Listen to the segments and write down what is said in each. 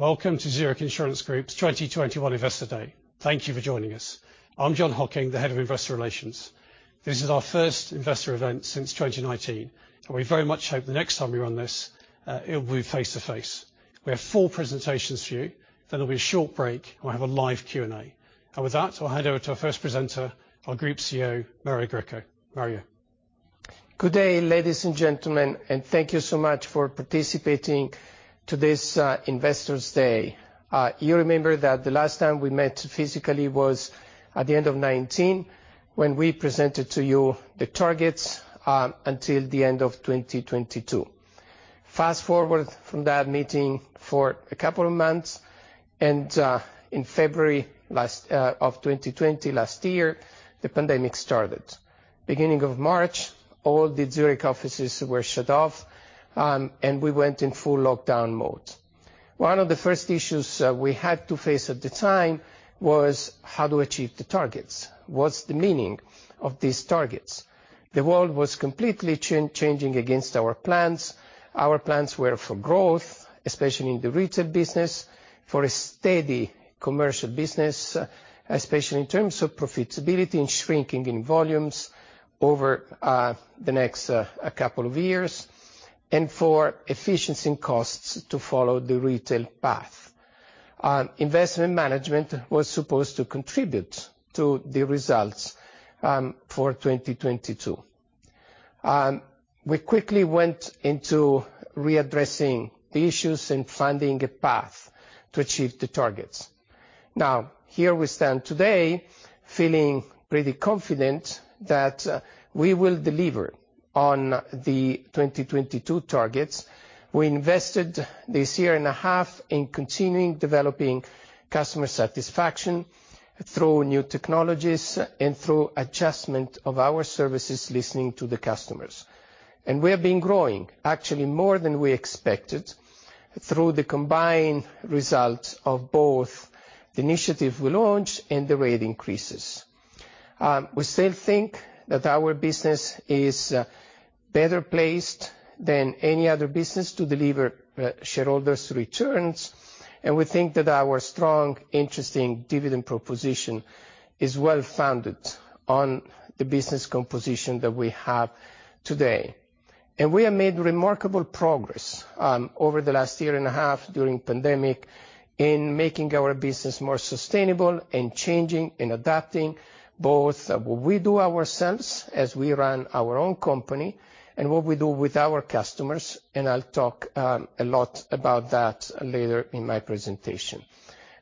Welcome to Zurich Insurance Group's 2021 Investor Day. Thank you for joining us. I'm Jon Hocking, the head of Investor Relations. This is our first investor event since 2019, and we very much hope the next time we run this, it will be face-to-face. We have four presentations for you, then there'll be a short break, and we'll have a live Q&A. With that, I'll hand over to our first presenter, our Group CEO, Mario Greco. Mario. Good day, ladies and gentlemen, and thank you so much for participating to this Investor Day. You remember that the last time we met physically was at the end of 2019 when we presented to you the targets until the end of 2022. Fast-forward from that meeting for a couple of months and in February last of 2020 last year, the pandemic started. Beginning of March, all the Zurich offices were shut off, and we went in full lockdown mode. One of the first issues we had to face at the time was how to achieve the targets. What's the meaning of these targets? The world was completely changing against our plans. Our plans were for growth, especially in the retail business, for a steady commercial business, especially in terms of profitability and shrinking in volumes over the next couple of years, and for efficiency and costs to follow the retail path. Investment management was supposed to contribute to the results for 2022. We quickly went into readdressing the issues and finding a path to achieve the targets. Now, here we stand today feeling pretty confident that we will deliver on the 2022 targets. We invested this year and a half in continuing developing customer satisfaction through new technologies and through adjustment of our services listening to the customers. We have been growing actually more than we expected through the combined result of both the initiative we launched and the rate increases. We still think that our business is better placed than any other business to deliver shareholders returns. We think that our strong, interesting dividend proposition is well-founded on the business composition that we have today. We have made remarkable progress over the last year and a half during pandemic in making our business more sustainable and changing and adapting both what we do ourselves as we run our own company and what we do with our customers. I'll talk a lot about that later in my presentation.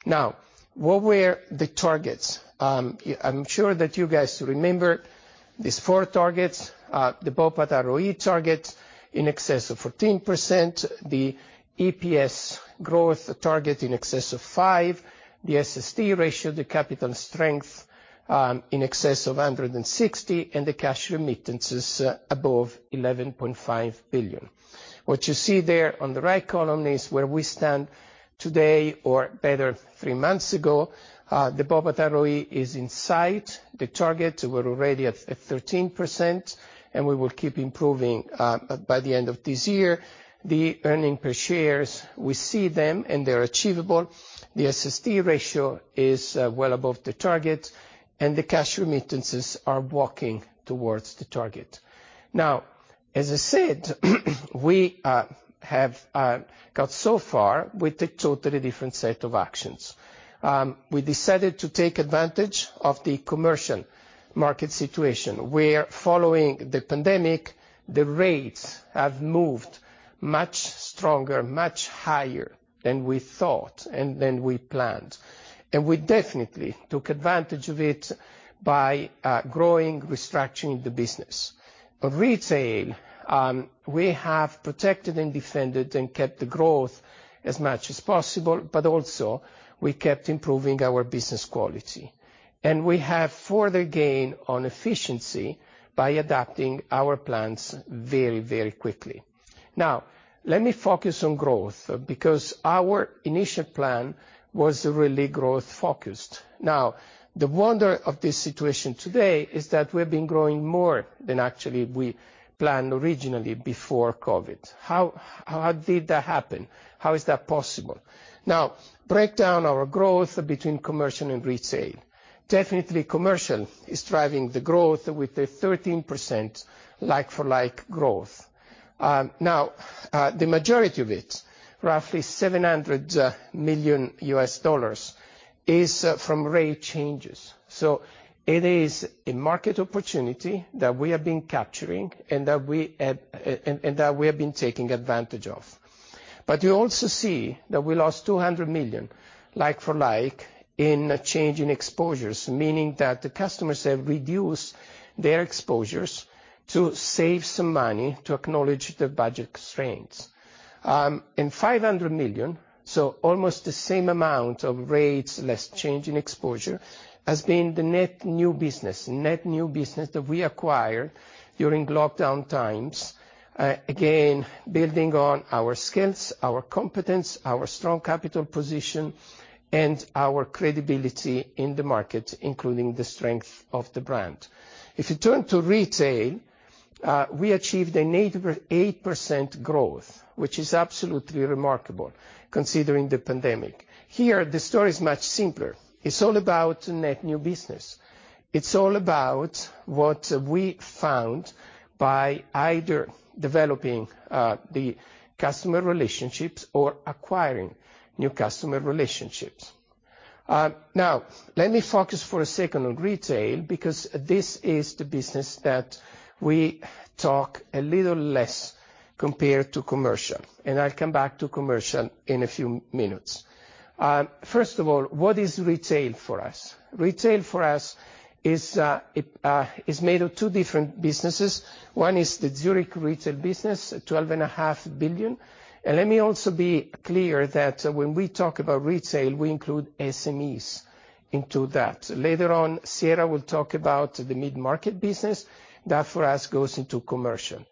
Now, what were the targets? I'm sure that you guys remember these four targets. The BOPAT ROE target in excess of 14%, the EPS growth target in excess of 5%, the SST ratio, the capital strength, in excess of 160%, and the cash remittances above 11.5 billion. What you see there on the right column is where we stand today, or better three months ago. The BOPAT ROE is in sight. The targets were already at 13%, and we will keep improving by the end of this year. The earnings per share, we see them and they're achievable. The SST ratio is well above the target, and the cash remittances are working towards the target. Now, as I said, we have got so far with a totally different set of actions. We decided to take advantage of the commercial market situation, where following the pandemic, the rates have moved much stronger, much higher than we thought and than we planned. We definitely took advantage of it by growing, restructuring the business. Retail, we have protected and defended and kept the growth as much as possible, but also, we kept improving our business quality. We have further gain on efficiency by adapting our plans very, very quickly. Now, let me focus on growth because our initial plan was really growth-focused. Now, the wonder of this situation today is that we've been growing more than actually we planned originally before COVID. How did that happen? How is that possible? Now, break down our growth between commercial and retail. Definitely commercial is driving the growth with a 13% like-for-like growth. Now, the majority of it, roughly $700 million, is from rate changes. It is a market opportunity that we have been capturing and that we have been taking advantage of. You also see that we lost $200 million like-for-like in change in exposures, meaning that the customers have reduced their exposures to save some money to acknowledge the budget constraints. $500 million, so almost the same amount of rates less change in exposure, has been the net new business. Net new business that we acquired during lockdown times, again, building on our skills, our competence, our strong capital position, and our credibility in the market, including the strength of the brand. If you turn to retail, we achieved an 8% growth, which is absolutely remarkable considering the pandemic. Here, the story is much simpler. It's all about net new business. It's all about what we found by either developing the customer relationships or acquiring new customer relationships. Now let me focus for a second on retail, because this is the business that we talk a little less compared to commercial, and I'll come back to commercial in a few minutes. First of all, what is retail for us? Retail for us is made of two different businesses. One is the Zurich retail business, $12.5 billion. Let me also be clear that when we talk about retail, we include SMEs into that. Later on, Sierra will talk about the mid-market business. That, for us, goes into commercial.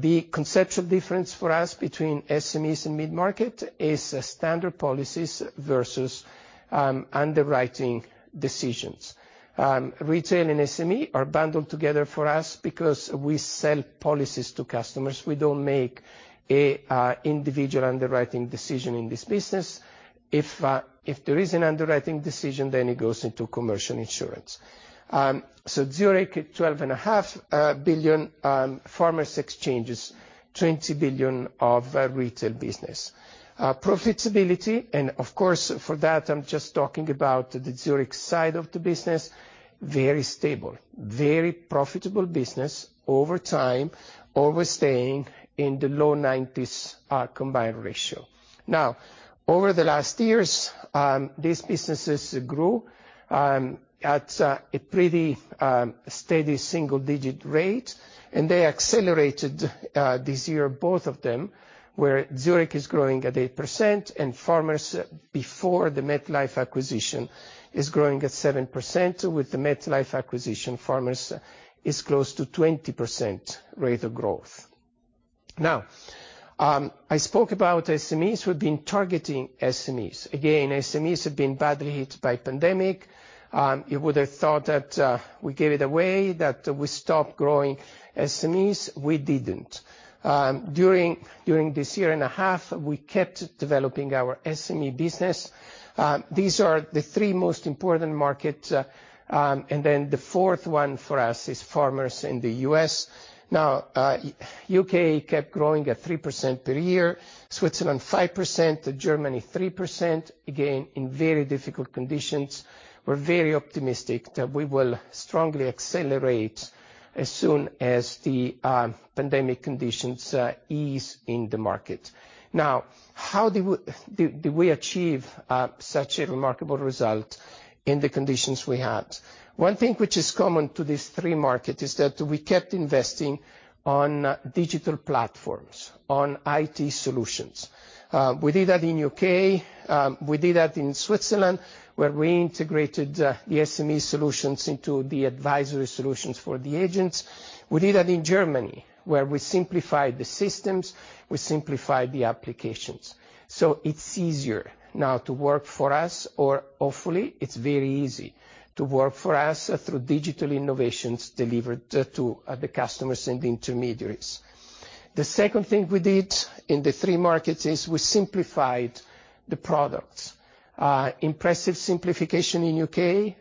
The conceptual difference for us between SMEs and mid-market is standard policies versus underwriting decisions. Retail and SME are bundled together for us because we sell policies to customers. We don't make an individual underwriting decision in this business. If there is an underwriting decision, then it goes into Commercial Insurance. Zurich at $12.5 billion, Farmers Exchanges is $20 billion of retail business. Profitability, and of course for that I'm just talking about the Zurich side of the business, is very stable. Very profitable business over time, always staying in the low 90s combined ratio. Over the last years, these businesses grew at a pretty steady single-digit rate, and they accelerated this year, both of them, where Zurich is growing at 8% and Farmers, before the MetLife acquisition, is growing at 7%. With the MetLife acquisition, Farmers is close to 20% rate of growth. Now, I spoke about SMEs. We've been targeting SMEs. Again, SMEs have been badly hit by pandemic. You would have thought that we gave it away, that we stopped growing SMEs. We didn't. During this year and a half, we kept developing our SME business. These are the three most important markets, and then the fourth one for us is Farmers in the U.S. Now, U.K. kept growing at 3% per year, Switzerland 5%, Germany 3%, again in very difficult conditions. We're very optimistic that we will strongly accelerate as soon as the pandemic conditions ease in the market. Now, how do we achieve such a remarkable result in the conditions we had? One thing which is common to these three markets is that we kept investing on digital platforms, on IT solutions. We did that in U.K. We did that in Switzerland, where we integrated the SME solutions into the advisory solutions for the agents. We did that in Germany, where we simplified the systems, we simplified the applications. It's easier now to work for us, or hopefully it's very easy to work for us through digital innovations delivered to the customers and intermediaries. The second thing we did in the three markets is we simplified the products. Impressive simplification in U.K.,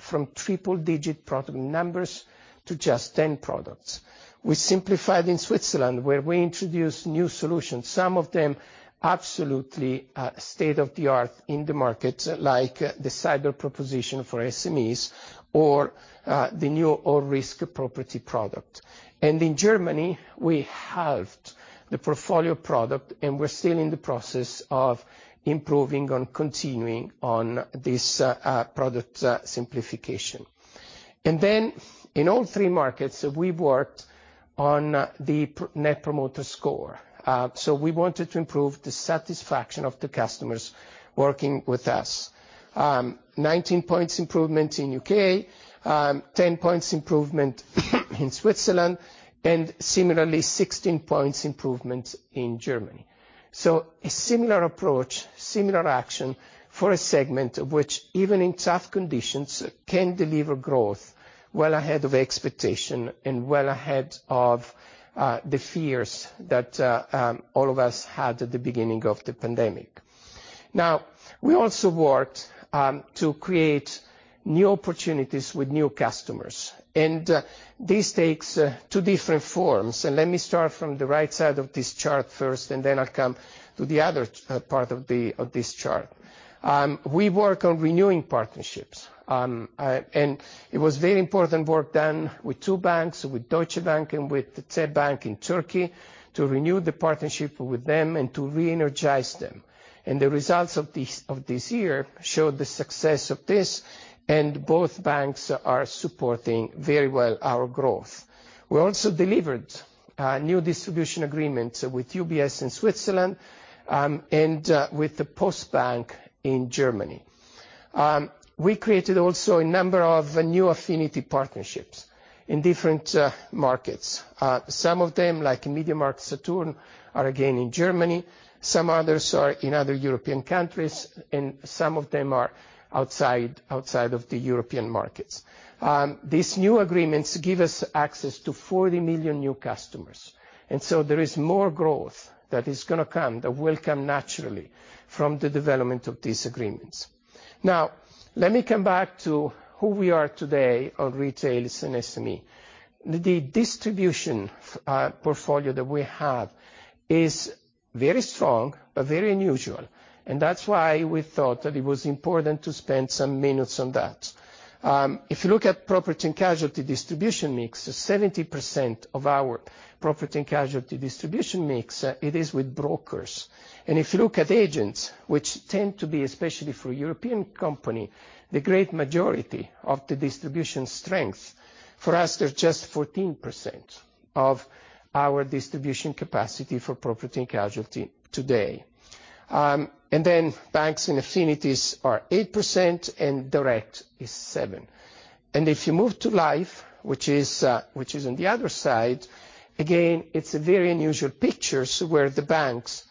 from triple-digit product numbers to just 10 products. We simplified in Switzerland, where we introduced new solutions, some of them absolutely state-of-the-art in the market, like the cyber proposition for SMEs or the new all-risk property product. In Germany, we halved the portfolio product and we're still in the process of improving and continuing on this product simplification. In all three markets, we worked on the Net Promoter Score. We wanted to improve the satisfaction of the customers working with us. 19 points improvement in U.K., 10 points improvement in Switzerland, and similarly, 16 points improvement in Germany. A similar approach, similar action for a segment which, even in tough conditions, can deliver growth well ahead of expectation and well ahead of the fears that all of us had at the beginning of the pandemic. Now, we also worked to create new opportunities with new customers. This takes two different forms. Let me start from the right side of this chart first, and then I'll come to the other part of this chart. We work on renewing partnerships. It was very important work done with two banks, with Deutsche Bank and with the QNB Finansbank in Turkey, to renew the partnership with them and to reenergize them. The results of this year show the success of this, and both banks are supporting very well our growth. We also delivered new distribution agreements with UBS in Switzerland, and with the Postbank in Germany. We created also a number of new affinity partnerships in different markets. Some of them, like MediaMarktSaturn, are again in Germany, some others are in other European countries, and some of them are outside of the European markets. These new agreements give us access to 40 million new customers, and so there is more growth that is gonna come, that will come naturally from the development of these agreements. Now let me come back to who we are today on retail and SME. The distribution portfolio that we have is very strong, but very unusual, and that's why we thought that it was important to spend some minutes on that. If you look at property and casualty distribution mix, 70% of our property and casualty distribution mix, it is with brokers. If you look at agents, which tend to be, especially for European company, the great majority of the distribution strength, for us they're just 14% of our distribution capacity for property and casualty today. Then banks and affinities are 8% and direct is 7%. If you move to life, which is on the other side, again, it's a very unusual picture. Where the banks,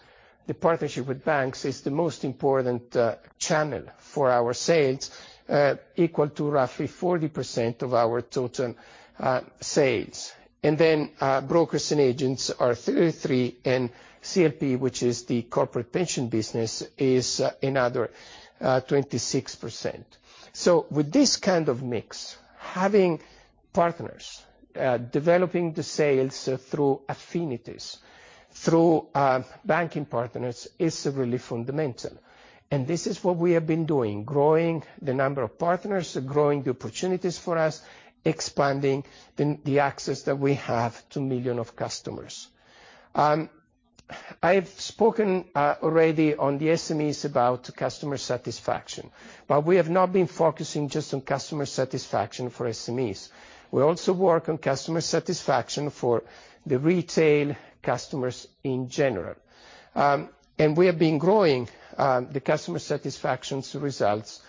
the partnership with banks is the most important channel for our sales, equal to roughly 40% of our total sales. Brokers and agents are 33%, and CLP, which is the corporate pension business, is another 26%. With this kind of mix, having partners, developing the sales through affinities, through banking partners, is really fundamental and this is what we have been doing, growing the number of partners, growing the opportunities for us, expanding the access that we have to millions of customers. I've spoken already on the SMEs about customer satisfaction, but we have not been focusing just on customer satisfaction for SMEs. We also work on customer satisfaction for the retail customers in general. We have been growing the customer satisfaction results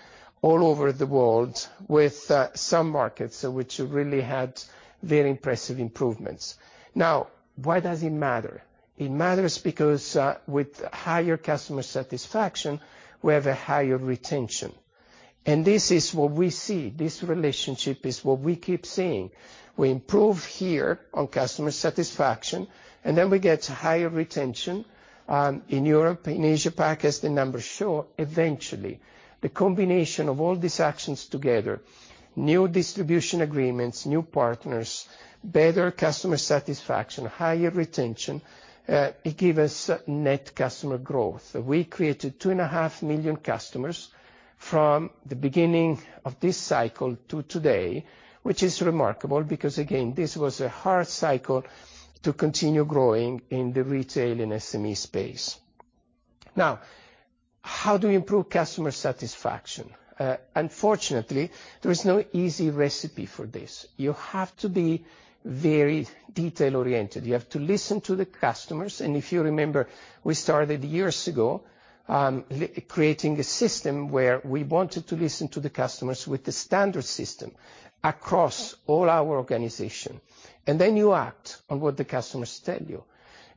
all over the world with some markets which really had very impressive improvements. Now, why does it matter? It matters because with higher customer satisfaction, we have a higher retention, and this is what we see. This relationship is what we keep seeing. We improve here on customer satisfaction, and then we get higher retention in Europe, in Asia-Pac, as the numbers show. Eventually, the combination of all these actions together, new distribution agreements, new partners, better customer satisfaction, higher retention, it give us net customer growth. We created 2.5 million customers from the beginning of this cycle to today, which is remarkable because, again, this was a hard cycle to continue growing in the retail and SME space. Now, how do we improve customer satisfaction? Unfortunately, there is no easy recipe for this. You have to be very detail-oriented. You have to listen to the customers, and if you remember, we started years ago creating a system where we wanted to listen to the customers with the standard system across all our organization. Then you act on what the customers tell you,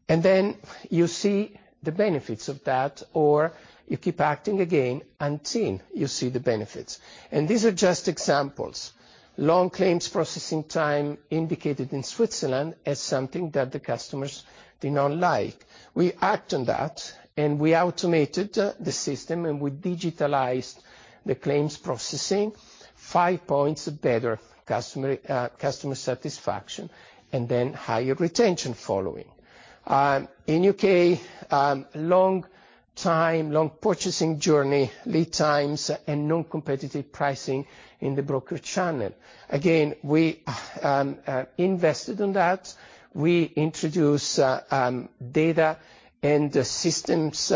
and then you see the benefits of that, or you keep acting again until you see the benefits. These are just examples. Long claims processing time indicated in Switzerland as something that the customers did not like. We act on that, and we automated the system, and we digitalized the claims processing. 5 points better customer satisfaction, and then higher retention following. In U.K., long time, long purchasing journey, lead times and non-competitive pricing in the broker channel. Again, we invested in that. We introduce data and systems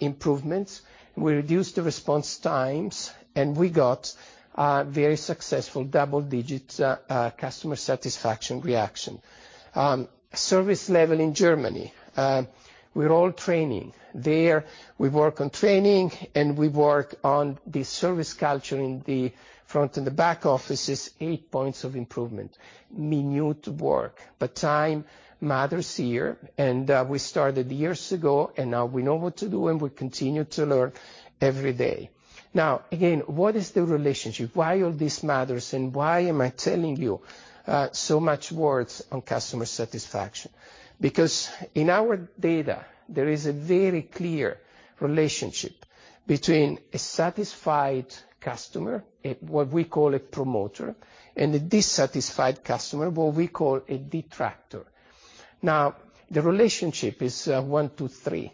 improvements. We reduced the response times, and we got a very successful double digits customer satisfaction reaction. Service level in Germany, we're all training. There we work on training and we work on the service culture in the front and the back offices. 8 points of improvement, minute work, but time matters here. We started years ago, and now we know what to do and we continue to learn every day. Now, again, what is the relationship? Why all this matters, and why am I telling you so much words on customer satisfaction? Because in our data, there is a very clear relationship between a satisfied customer, a, what we call a promoter, and a dissatisfied customer, what we call a detractor. Now, the relationship is one to three.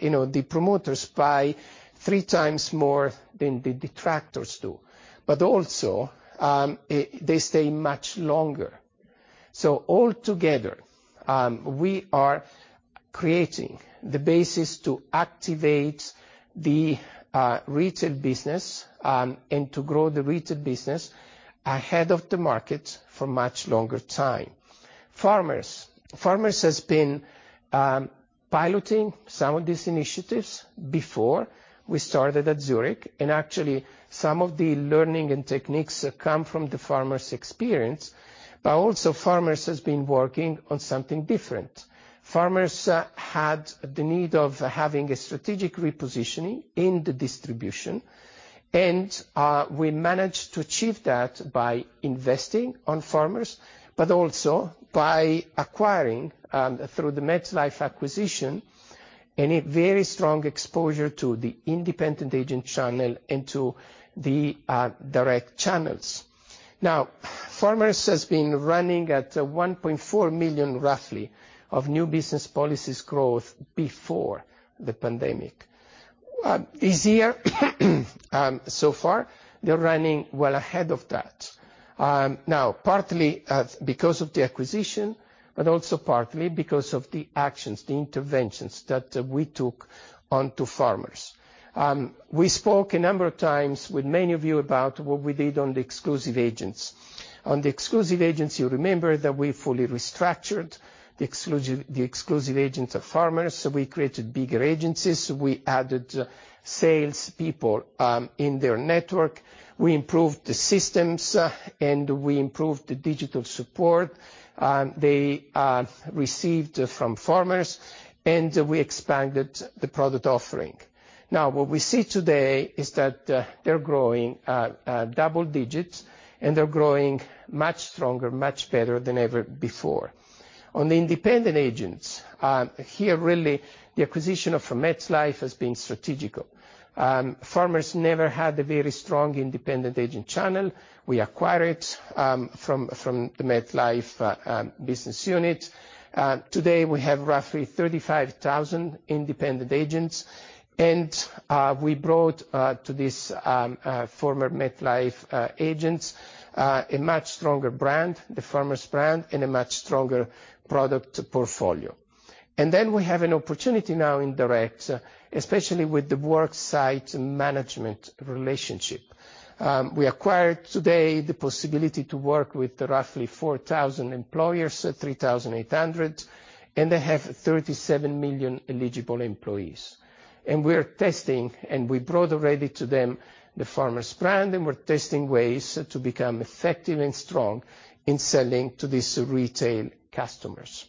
You know, the promoters buy three times more than the detractors do, but also, they stay much longer. Altogether, we are creating the basis to activate the retail business, and to grow the retail business ahead of the market for much longer time. Farmers has been piloting some of these initiatives before we started at Zurich, and actually some of the learning and techniques come from the Farmers' experience. Also, Farmers has been working on something different. Farmers had the need of having a strategic repositioning in the distribution, and we managed to achieve that by investing on Farmers, but also by acquiring through the MetLife acquisition, and a very strong exposure to the independent agent channel into the direct channels. Now, Farmers has been running at 1.4 million, roughly, of new business policies growth before the pandemic. This year, so far, they're running well ahead of that. Now partly because of the acquisition, but also partly because of the actions, the interventions that we took onto Farmers. We spoke a number of times with many of you about what we did on the exclusive agents. On the exclusive agents, you remember that we fully restructured the exclusive agents of Farmers. We created bigger agencies. We added salespeople in their network. We improved the systems, and we improved the digital support they received from Farmers, and we expanded the product offering. Now, what we see today is that they're growing at double digits, and they're growing much stronger, much better than ever before. On the independent agents here, really the acquisition of MetLife has been strategic. Farmers never had a very strong independent agent channel. We acquired it from the MetLife business unit. Today we have roughly 35,000 independent agents and we brought to these former MetLife agents a much stronger brand, the Farmers brand, and a much stronger product portfolio. We have an opportunity now in direct, especially with the work site management relationship. We acquired today the possibility to work with roughly 4,000 employers, so 3,800, and they have 37 million eligible employees. We're testing and we brought already to them the Farmers brand, and we're testing ways to become effective and strong in selling to these retail customers.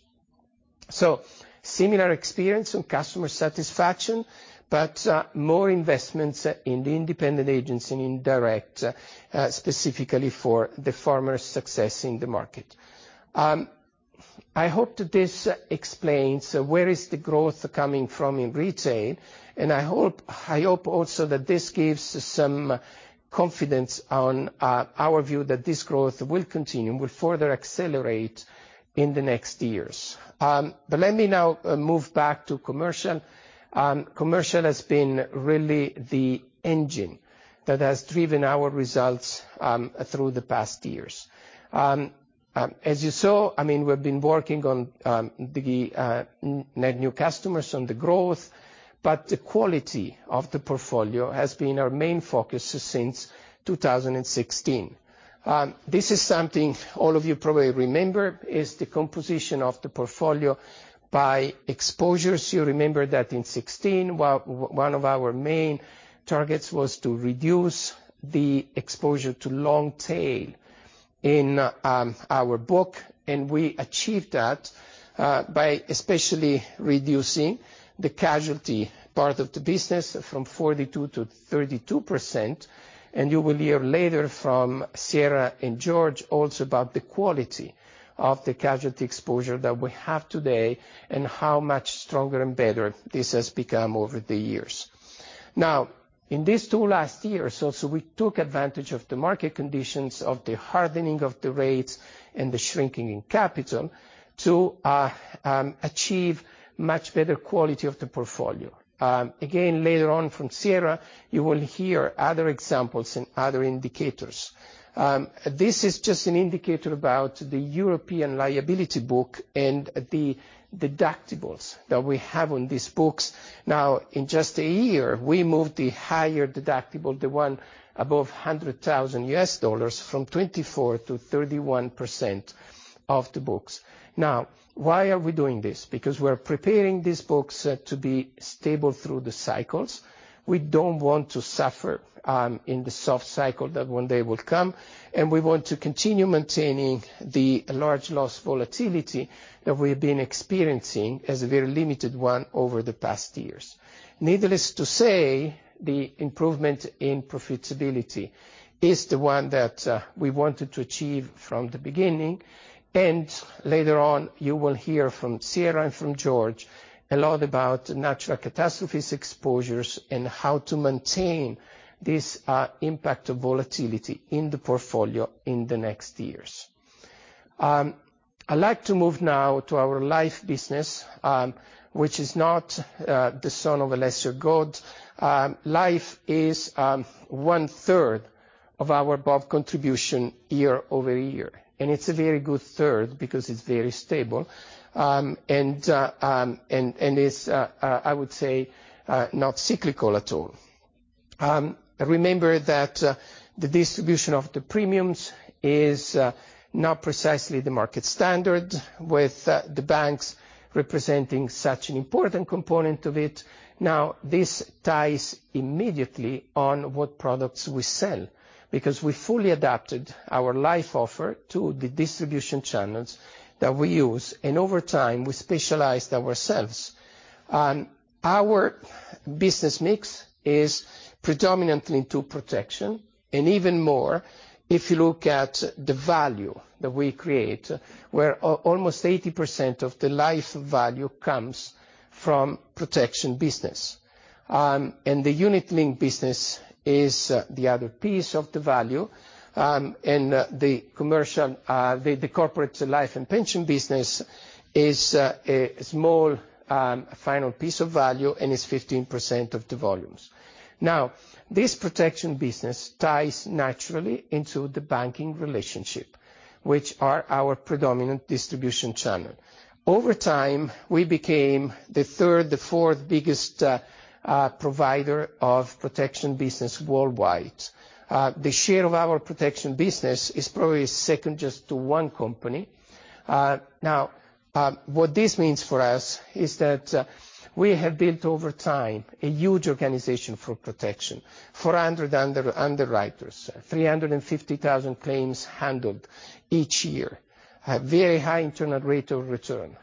Similar experience on customer satisfaction, but more investments in the independent agents and in direct, specifically for the Farmers' success in the market. I hope that this explains where is the growth coming from in retail, and I hope also that this gives some confidence on our view that this growth will continue, will further accelerate in the next years. Let me now move back to commercial. Commercial has been really the engine that has driven our results through the past years. As you saw, I mean, we've been working on the net new customers on the growth, but the quality of the portfolio has been our main focus since 2016. This is something all of you probably remember, is the composition of the portfolio by exposures. You remember that in 2016, one of our main targets was to reduce the exposure to long tail in our book. We achieved that by especially reducing the casualty part of the business from 42% to 32%. You will hear later from Sierra and George also about the quality of the casualty exposure that we have today and how much stronger and better this has become over the years. Now, in these two last years also, we took advantage of the market conditions, of the hardening of the rates and the shrinking in capital to achieve much better quality of the portfolio. Again, later on from Sierra, you will hear other examples and other indicators. This is just an indicator about the European liability book and the deductibles that we have on these books. Now, in just a year, we moved the higher deductible, the one above $100,000 from 24%-31% of the books. Now, why are we doing this? Because we're preparing these books to be stable through the cycles. We don't want to suffer in the soft cycle that one day will come, and we want to continue maintaining the large loss volatility that we've been experiencing as a very limited one over the past years. Needless to say, the improvement in profitability is the one that we wanted to achieve from the beginning. Later on, you will hear from Sierra and from George a lot about natural catastrophes exposures and how to maintain this impact of volatility in the portfolio in the next years. I'd like to move now to our Life business, which is not the son of a lesser God. Life is one-third of our above contribution year-over-year. It's a very good third because it's very stable and is, I would say, not cyclical at all. Remember that the distribution of the premiums is not precisely the market standard with the banks representing such an important component of it. Now, this ties immediately on what products we sell, because we fully adapted our life offer to the distribution channels that we use, and over time, we specialized ourselves. Our business mix is predominantly into protection, and even more if you look at the value that we create, where almost 80% of the life value comes from protection business. The unit-linked business is the other piece of the value. The commercial, the corporate life and pension business is a small final piece of value and is 15% of the volumes. Now, this protection business ties naturally into the banking relationship, which are our predominant distribution channel. Over time, we became the third, the fourth biggest provider of protection business worldwide. The share of our protection business is probably second just to one company. What this means for us is that we have built over time a huge organization for protection. 400 underwriters, 350,000 claims handled each year, a very high internal rate of return.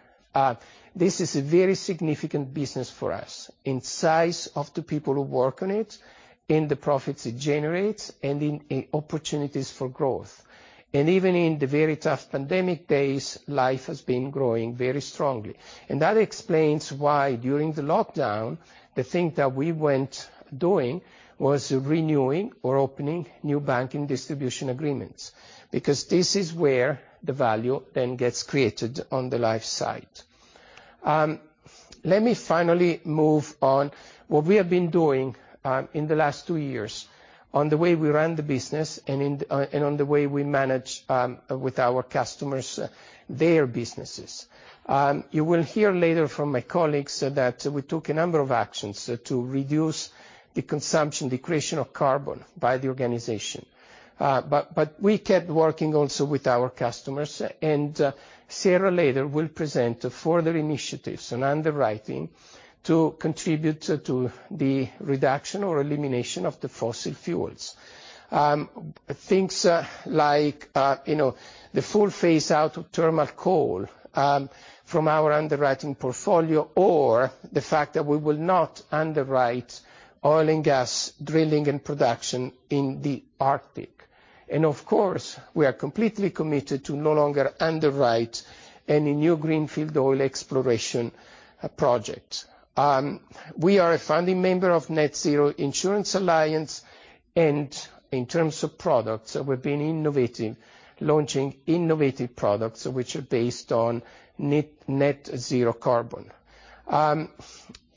This is a very significant business for us in size of the people who work on it, in the profits it generates, and in opportunities for growth. Even in the very tough pandemic days, life has been growing very strongly. That explains why during the lockdown, the thing that we went doing was renewing or opening new banking distribution agreements, because this is where the value then gets created on the life side. Let me finally move on what we have been doing in the last two years on the way we run the business and in, and on the way we manage with our customers, their businesses. You will hear later from my colleagues that we took a number of actions to reduce the consumption, the creation of carbon by the organization. We kept working also with our customers, and Sierra later will present further initiatives on underwriting to contribute to the reduction or elimination of the fossil fuels. Things like, you know, the full phase out of thermal coal from our underwriting portfolio, or the fact that we will not underwrite oil and gas drilling and production in the Arctic. Of course, we are completely committed to no longer underwrite any new greenfield oil exploration project. We are a founding member of Net-Zero Insurance Alliance, and in terms of products, we've been innovating, launching innovative products which are based on net-zero carbon.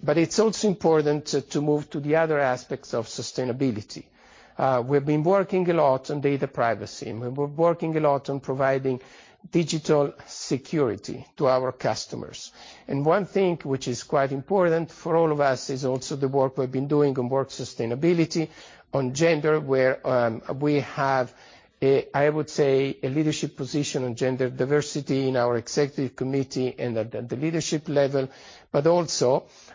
It's also important to move to the other aspects of sustainability. We've been working a lot on data privacy, and we're working a lot on providing digital security to our customers. One thing which is quite important for all of us is also the work we've been doing on work sustainability, on gender, where we have, I would say, a leadership position on gender diversity in our executive committee and at the leadership level.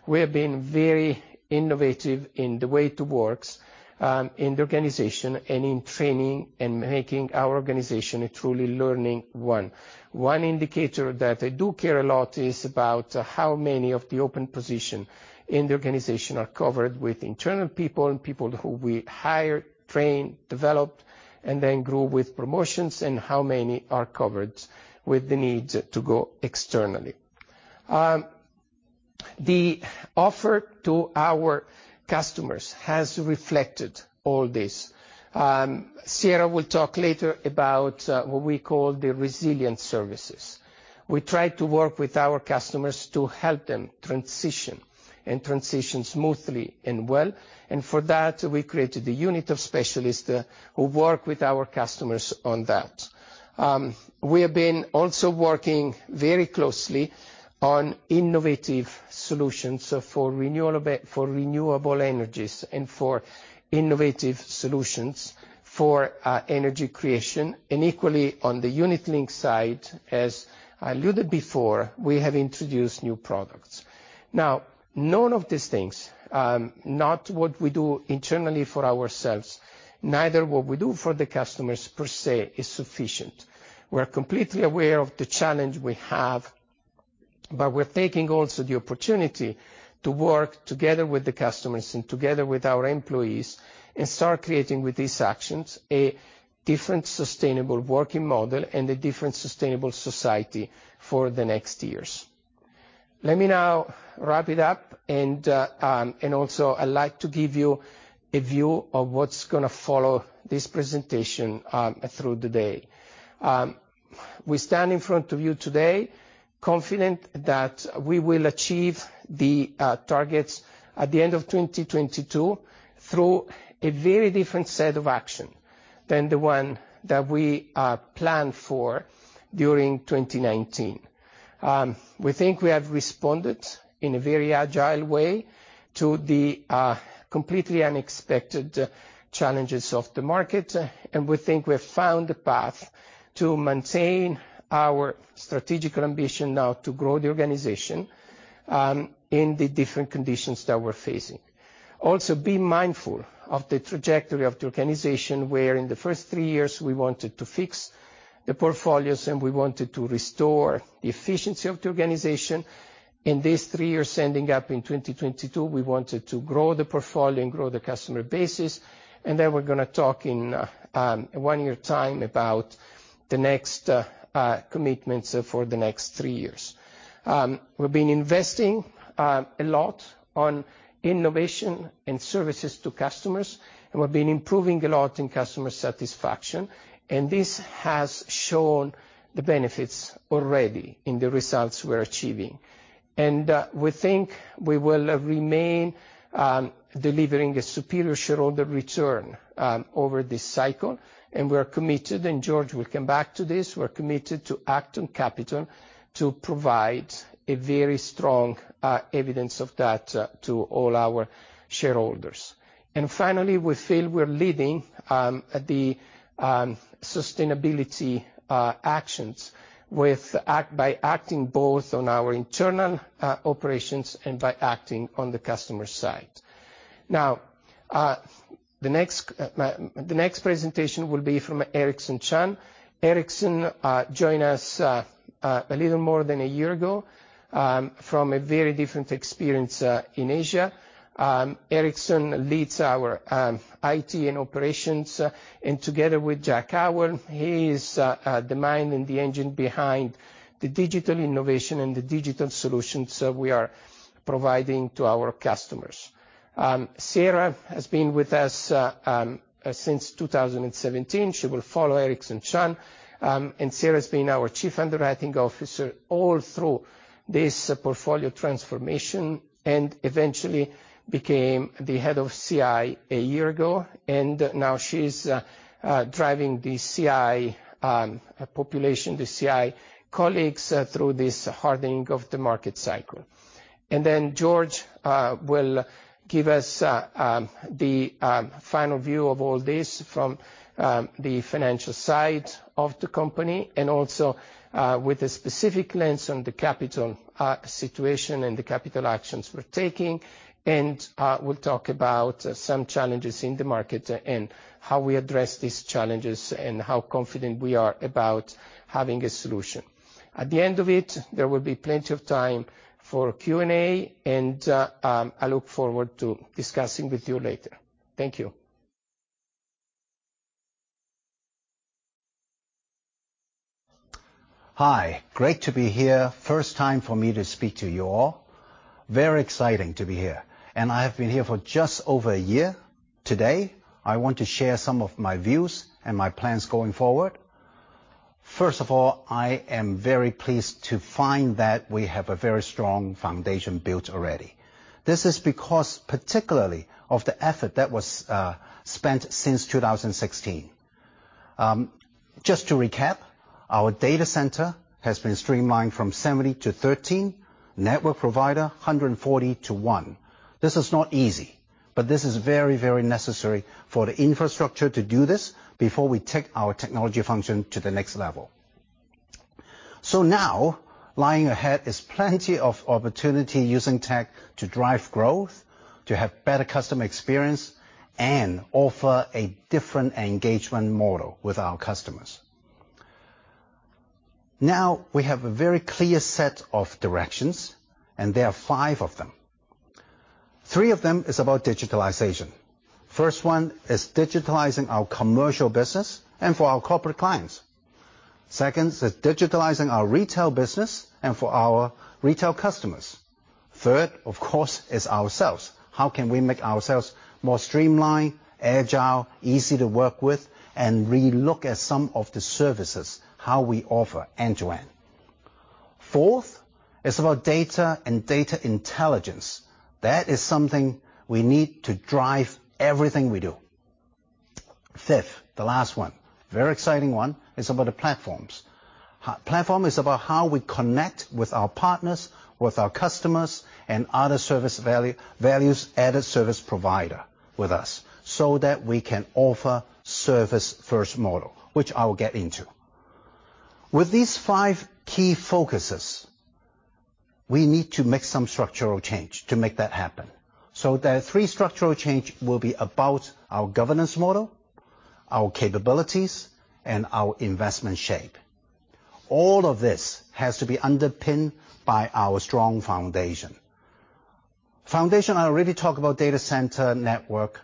We have been very innovative in the way it works, in the organization and in training and making our organization a truly learning one. One indicator that I do care a lot is about how many of the open position in the organization are covered with internal people and people who we hire, train, develop, and then grow with promotions, and how many are covered with the need to go externally. The offer to our customers has reflected all this. Sierra will talk later about what we call the resilience services. We try to work with our customers to help them transition and transition smoothly and well, and for that, we created a unit of specialists who work with our customers on that. We have been also working very closely on innovative solutions for renewable energies and for innovative solutions for energy creation. Equally, on the unit-linked side, as I alluded before, we have introduced new products. Now, none of these things, not what we do internally for ourselves, neither what we do for the customers per se, is sufficient. We're completely aware of the challenge we have, but we're taking also the opportunity to work together with the customers and together with our employees and start creating with these actions a different sustainable working model and a different sustainable society for the next years. Let me now wrap it up and also, I'd like to give you a view of what's gonna follow this presentation, through the day. We stand in front of you today confident that we will achieve the targets at the end of 2022 through a very different set of action than the one that we planned for during 2019. We think we have responded in a very agile way to the completely unexpected challenges of the market, and we think we have found a path to maintain our strategic ambition now to grow the organization in the different conditions that we're facing. Also, be mindful of the trajectory of the organization, where in the first three years we wanted to fix the portfolios, and we wanted to restore the efficiency of the organization. In these three years ending up in 2022, we wanted to grow the portfolio and grow the customer bases, and then we're gonna talk in one year time about the next commitments for the next three years. We've been investing a lot on innovation and services to customers, and we've been improving a lot in customer satisfaction, and this has shown the benefits already in the results we're achieving. We think we will remain delivering a superior shareholder return over this cycle, and we're committed, and George will come back to this, to act on capital to provide a very strong evidence of that to all our shareholders. Finally, we feel we're leading the sustainability actions by acting both on our internal operations and by acting on the customer side. Now, the next presentation will be from Ericson Chan. Ericson joined us a little more than a year ago from a very different experience in Asia. Ericson leads our IT and operations, and together with Jack Howell, he is the mind and the engine behind the digital innovation and the digital solutions that we are providing to our customers. Sierra has been with us since 2017. She will follow Ericson Chan. Sierra's been our Chief Underwriting Officer all through this portfolio transformation, and eventually became the Head of CI a year ago. Now she's driving the CI population, the CI colleagues through this hardening of the market cycle. George will give us the final view of all this from the financial side of the company and also with a specific lens on the capital situation and the capital actions we're taking. We'll talk about some challenges in the market and how we address these challenges and how confident we are about having a solution. At the end of it, there will be plenty of time for Q&A, and I look forward to discussing with you later. Thank you. Hi. Great to be here. First time for me to speak to you all. Very exciting to be here. I have been here for just over a year. Today, I want to share some of my views and my plans going forward. First of all, I am very pleased to find that we have a very strong foundation built already. This is because particularly of the effort that was spent since 2016. Just to recap, our data center has been streamlined from 70 to 13, network provider 140 to 1. This is not easy, but this is very, very necessary for the infrastructure to do this before we take our technology function to the next level. Now, lying ahead is plenty of opportunity using tech to drive growth, to have better customer experience, and offer a different engagement model with our customers. Now we have a very clear set of directions, and there are five of them. Three of them is about digitalization. First one is digitalizing our commercial business and for our corporate clients. Second is digitalizing our retail business and for our retail customers. Third, of course, is ourselves. How can we make ourselves more streamlined, agile, easy to work with, and relook at some of the services, how we offer end-to-end? Fourth is about data and data intelligence. That is something we need to drive everything we do. Fifth, the last one, very exciting one, is about the platforms. H-platform is about how we connect with our partners, with our customers, and other value-added service providers with us, so that we can offer service-first model, which I will get into. With these five key focuses, we need to make some structural change to make that happen. The three structural change will be about our governance model, our capabilities, and our investment shape. All of this has to be underpinned by our strong foundation. The foundation, I already talked about data center network.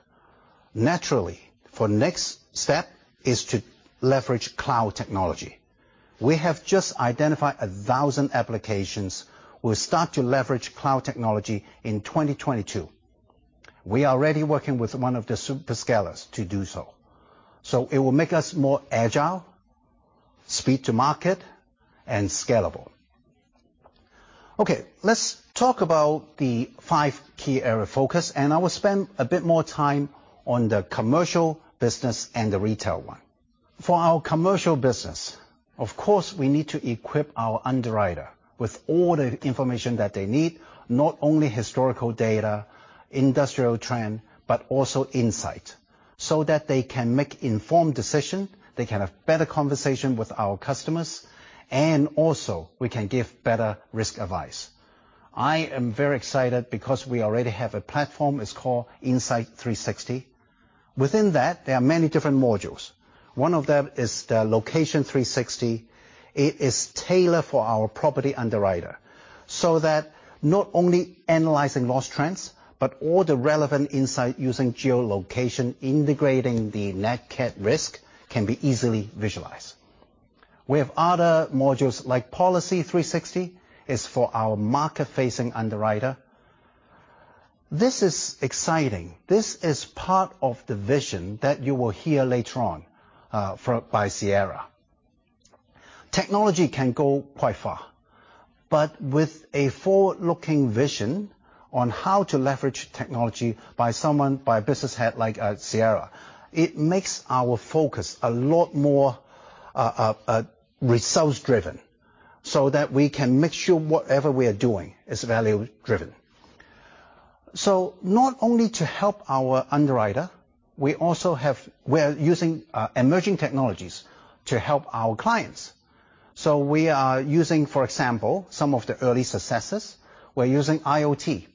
Naturally, the next step is to leverage cloud technology. We have just identified 1,000 applications. We'll start to leverage cloud technology in 2022. We are already working with one of the hyperscalers to do so. It will make us more agile, speed to market, and scalable. Okay, let's talk about the five key area focus, and I will spend a bit more time on the commercial business and the retail one. For our commercial business, of course, we need to equip our underwriter with all the information that they need, not only historical data, industry trend, but also insight, so that they can make informed decision, they can have better conversation with our customers, and also, we can give better risk advice. I am very excited because we already have a platform, it's called Insight360. Within that, there are many different modules. One of them is the Location 360. It is tailored for our property underwriter, so that not only analyzing loss trends, but all the relevant insight using geolocation, integrating the NatCat risk can be easily visualized. We have other modules like Policy 360. It's for our market-facing underwriter. This is exciting. This is part of the vision that you will hear later on, by Sierra. Technology can go quite far, but with a forward-looking vision on how to leverage technology by someone, by a business head like at Sierra, it makes our focus a lot more results driven, so that we can make sure whatever we are doing is value driven. Not only to help our underwriter, we're using emerging technologies to help our clients. We are using, for example, some of the early successes. We're using IoT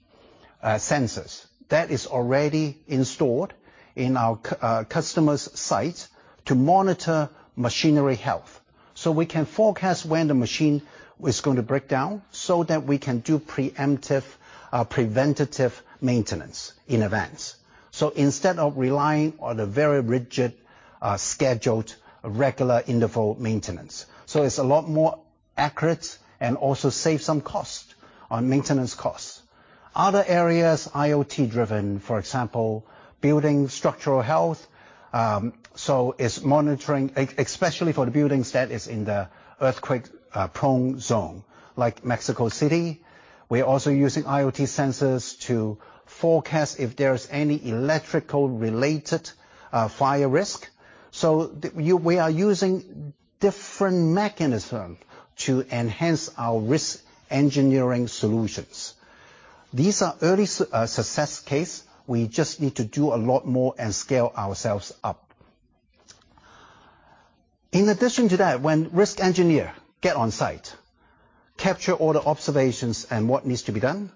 sensors that is already installed in our customers' site to monitor machinery health, so we can forecast when the machine is going to break down so that we can do preemptive preventative maintenance in advance. Instead of relying on a very rigid scheduled, regular interval maintenance. It's a lot more accurate and also save some cost on maintenance costs. Other areas, IoT driven, for example, building structural health. It's monitoring especially for the buildings that is in the earthquake prone zone, like Mexico City. We're also using IoT sensors to forecast if there's any electrical related fire risk. We are using different mechanism to enhance our risk engineering solutions. These are early success case. We just need to do a lot more and scale ourselves up. In addition to that, when risk engineers get on site, capture all the observations and what needs to be done,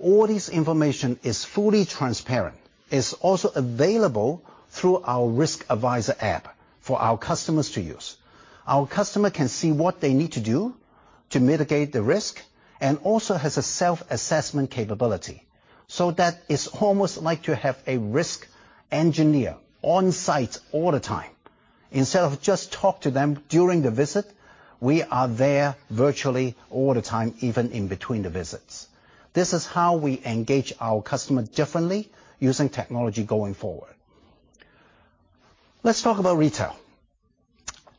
all this information is fully transparent. It's also available through our Zurich Risk Advisor app for our customers to use. Our customer can see what they need to do to mitigate the risk, and also has a self-assessment capability. That it's almost like to have a risk engineer on site all the time. Instead of just talk to them during the visit, we are there virtually all the time, even in between the visits. This is how we engage our customer differently using technology going forward. Let's talk about retail.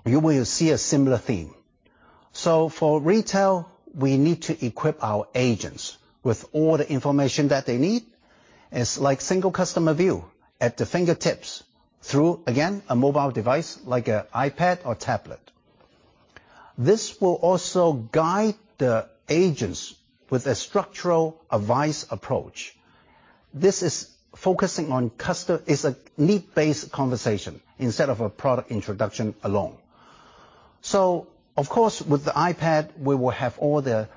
You will see a similar theme. For retail, we need to equip our agents with all the information that they need. It's like single customer view at the fingertips through, again, a mobile device like an iPad or tablet. This will also guide the agents with a structured advice approach. This is focusing on, it's a need-based conversation instead of a product introduction alone. Of course, with the iPad, we will have all the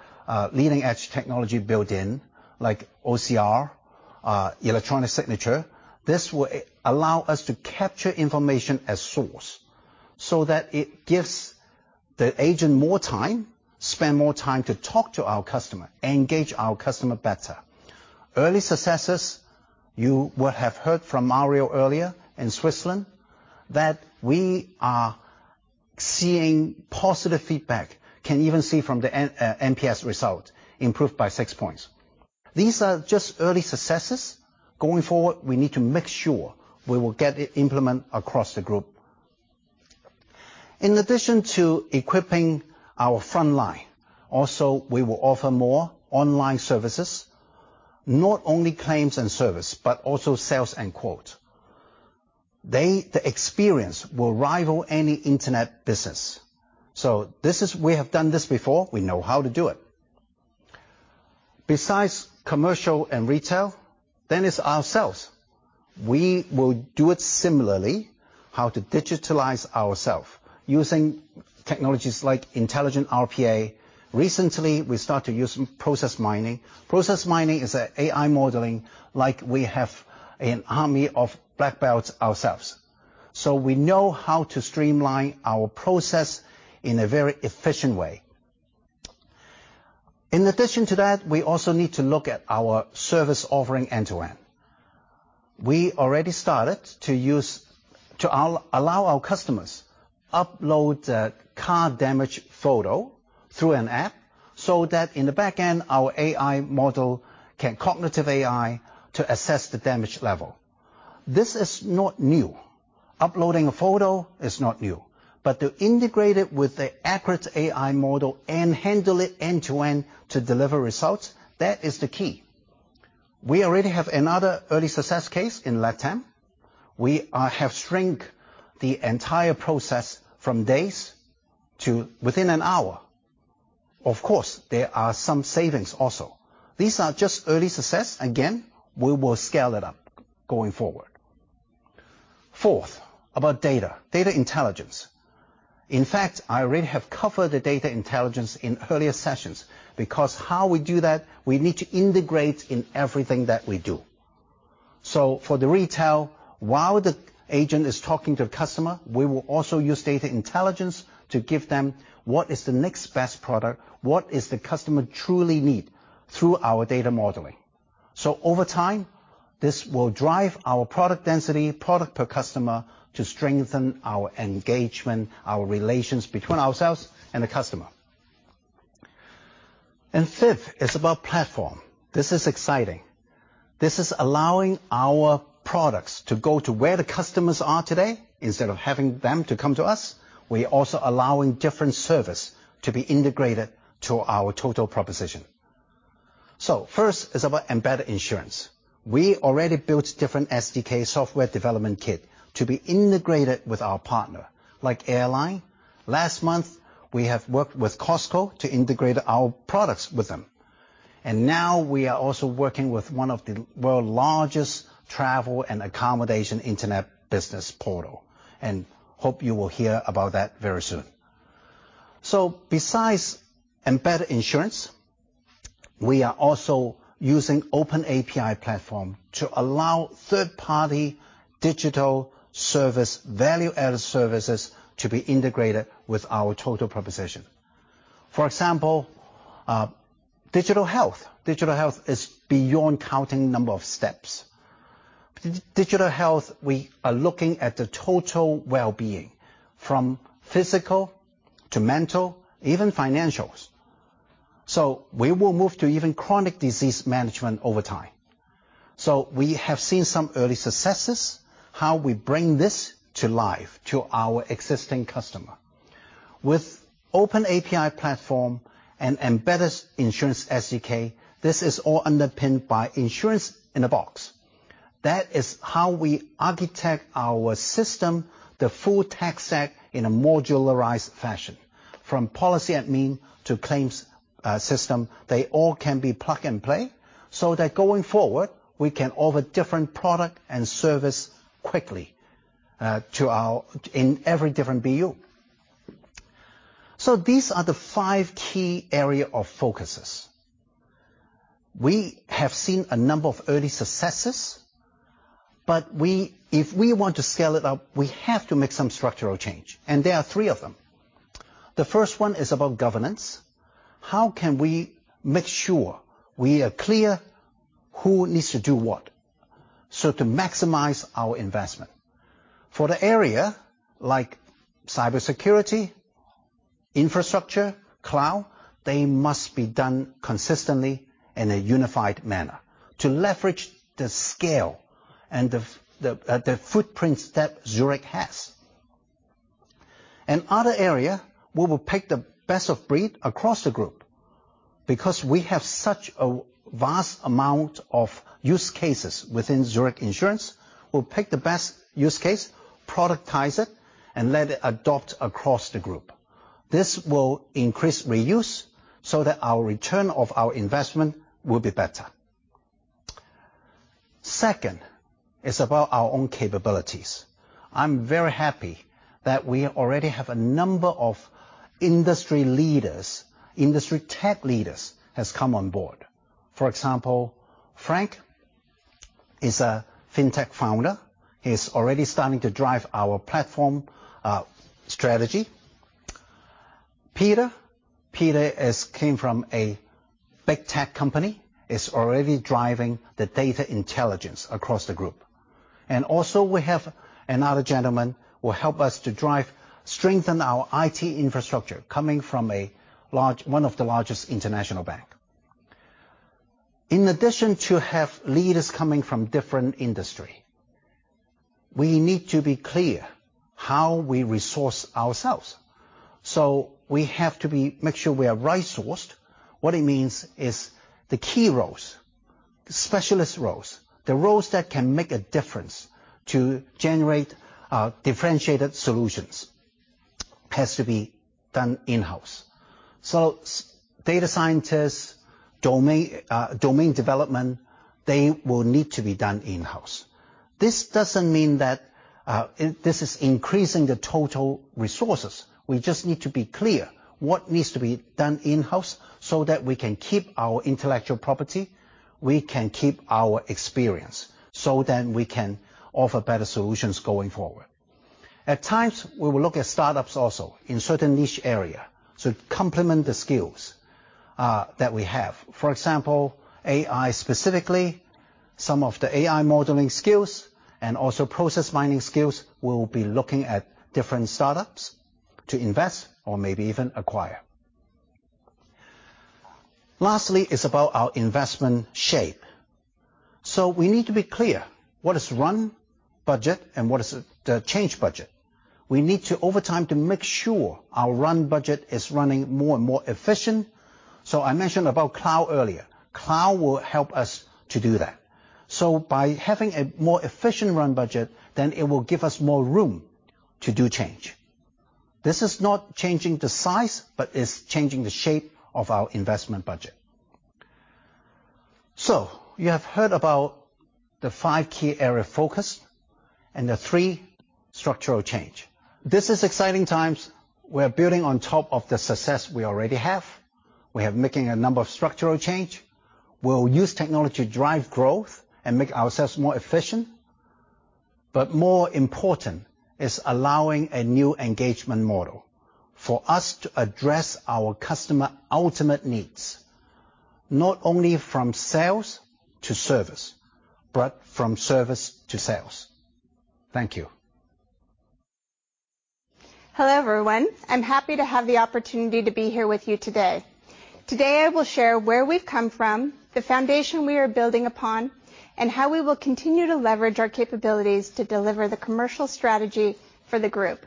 leading-edge technology built in, like OCR, electronic signature. This will allow us to capture information at source so that it gives the agent more time, spend more time to talk to our customer, engage our customer better. Early successes. You would have heard from Mario earlier in Switzerland that we are seeing positive feedback. We can even see from the NPS result improved by six points. These are just early successes. Going forward, we need to make sure we will get it implemented across the group. In addition to equipping our front line, also, we will offer more online services, not only claims and service, but also sales and quote. The experience will rival any internet business. We have done this before. We know how to do it. Besides commercial and retail, it's ourselves. We will do it similarly, how to digitalize ourselves using technologies like intelligent RPA. Recently, we start to use process mining. Process mining is an AI modeling like we have an army of black belts ourselves. We know how to streamline our process in a very efficient way. In addition to that, we also need to look at our service offering end-to-end. We already started to allow our customers upload the car damage photo through an app, so that in the back end, our AI model can use cognitive AI to assess the damage level. This is not new. Uploading a photo is not new. To integrate it with the accurate AI model and handle it end-to-end to deliver results, that is the key. We already have another early success case in Latam. We have shrunk the entire process from days to within an hour. Of course, there are some savings also. These are just early success. Again, we will scale it up going forward. Fourth, about data intelligence. In fact, I already have covered the data intelligence in earlier sessions because how we do that, we need to integrate in everything that we do. For the retail, while the agent is talking to the customer, we will also use data intelligence to give them what is the next best product, what is the customer truly need through our data modeling. Over time, this will drive our product density, product per customer to strengthen our engagement, our relations between ourselves and the customer. Fifth is about platform. This is exciting. This is allowing our products to go to where the customers are today instead of having them to come to us. We're also allowing different service to be integrated to our total proposition. First is about embedded insurance. We already built different SDK software development kit to be integrated with our partner, like airline. Last month, we have worked with Costco to integrate our products with them. Now we are also working with one of the world largest travel and accommodation internet business portal, and hope you will hear about that very soon. Besides embedded insurance, we are also using OpenAPI platform to allow third-party digital service, value-added services to be integrated with our total proposition. For example, digital health. Digital health is beyond counting number of steps. Digital health, we are looking at the total well-being from physical to mental, even financials. We will move to even chronic disease management over time. We have seen some early successes, how we bring this to life to our existing customer. With OpenAPI platform and embedded insurance SDK, this is all underpinned by Insurance-in-a-box. That is how we architect our system, the full tech stack, in a modularized fashion. From policy admin to claims, system, they all can be plug and play, so that going forward, we can offer different product and service quickly, to our in every different BU. These are the five key area of focuses. We have seen a number of early successes, but if we want to scale it up, we have to make some structural change, and there are three of them. The first one is about governance. How can we make sure we are clear who needs to do what, so to maximize our investment? For the area like cybersecurity, infrastructure, cloud, they must be done consistently in a unified manner to leverage the scale and the footprints that Zurich has. In other area, we will pick the best of breed across the group because we have such a vast amount of use cases within Zurich Insurance. We'll pick the best use case, productize it, and let it adopt across the group. This will increase reuse so that our return of our investment will be better. Second is about our own capabilities. I'm very happy that we already have a number of industry leaders, industry tech leaders, has come on board. For example, Frank is a fintech founder. He's already starting to drive our platform, strategy. Peter Kasahara is came from a big tech company, is already driving the data intelligence across the group. We have another gentleman who will help us to drive, strengthen our IT infrastructure coming from one of the largest international bank. In addition to have leaders coming from different industry, we need to be clear how we resource ourselves. We have to make sure we are right-sourced. What it means is the key roles, specialist roles, the roles that can make a difference to generate, differentiated solutions has to be done in-house. Data scientists, domain development, they will need to be done in-house. This doesn't mean that this is increasing the total resources. We just need to be clear what needs to be done in-house so that we can keep our intellectual property, we can keep our experience, so then we can offer better solutions going forward. At times, we will look at startups also in certain niche area to complement the skills that we have. For example, AI specifically, some of the AI modeling skills and also process mining skills, we'll be looking at different startups to invest or maybe even acquire. Lastly is about our investment shape. We need to be clear what is run budget and what is the change budget. We need to over time to make sure our run budget is running more and more efficient. I mentioned about cloud earlier. Cloud will help us to do that. By having a more efficient run budget, then it will give us more room to do change. This is not changing the size, but it's changing the shape of our investment budget. You have heard about the five key area of focus and the three structural change. This is exciting times. We're building on top of the success we already have. We are making a number of structural change. We'll use technology to drive growth and make ourselves more efficient. More important is allowing a new engagement model for us to address our customer ultimate needs, not only from sales to service, but from service to sales. Thank you. Hello, everyone. I'm happy to have the opportunity to be here with you today. Today, I will share where we've come from, the foundation we are building upon, and how we will continue to leverage our capabilities to deliver the commercial strategy for the group.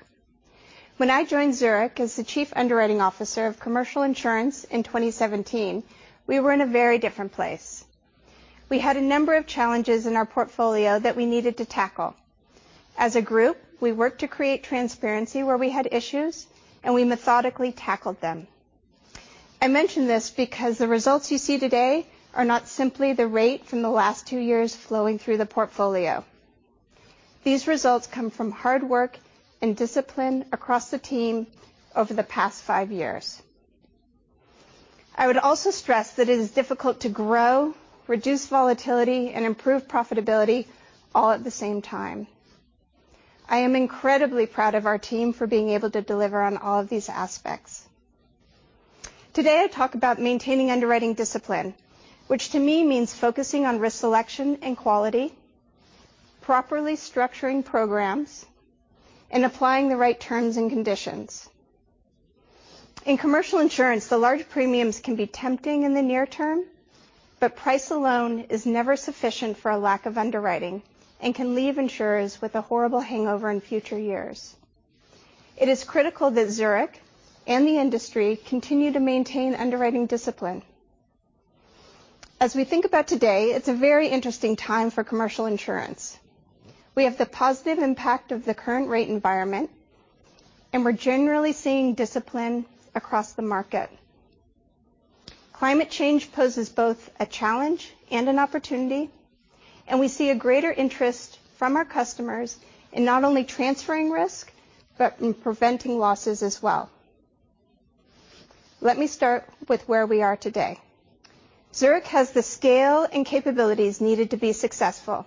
When I joined Zurich as the Chief Underwriting Officer of Commercial Insurance in 2017, we were in a very different place. We had a number of challenges in our portfolio that we needed to tackle. As a group, we worked to create transparency where we had issues, and we methodically tackled them. I mention this because the results you see today are not simply the rate from the last two years flowing through the portfolio. These results come from hard work and discipline across the team over the past five years. I would also stress that it is difficult to grow, reduce volatility, and improve profitability all at the same time. I am incredibly proud of our team for being able to deliver on all of these aspects. Today, I talk about maintaining underwriting discipline, which to me means focusing on risk selection and quality, properly structuring programs, and applying the right terms and conditions. In commercial insurance, the large premiums can be tempting in the near term, but price alone is never sufficient for a lack of underwriting and can leave insurers with a horrible hangover in future years. It is critical that Zurich and the industry continue to maintain underwriting discipline. As we think about today, it's a very interesting time for commercial insurance. We have the positive impact of the current rate environment, and we're generally seeing discipline across the market. Climate change poses both a challenge and an opportunity, and we see a greater interest from our customers in not only transferring risk, but in preventing losses as well. Let me start with where we are today. Zurich has the scale and capabilities needed to be successful.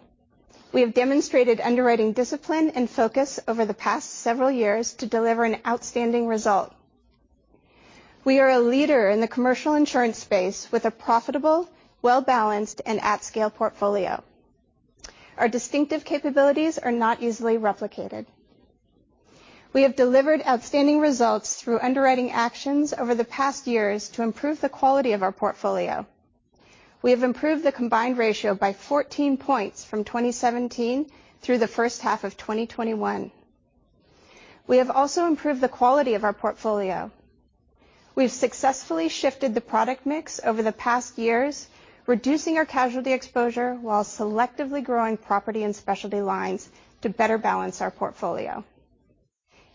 We have demonstrated underwriting discipline and focus over the past several years to deliver an outstanding result. We are a leader in the commercial insurance space with a profitable, well-balanced, and at-scale portfolio. Our distinctive capabilities are not easily replicated. We have delivered outstanding results through underwriting actions over the past years to improve the quality of our portfolio. We have improved the combined ratio by 14 points from 2017 through the first half of 2021. We have also improved the quality of our portfolio. We've successfully shifted the product mix over the past years, reducing our casualty exposure while selectively growing property and specialty lines to better balance our portfolio.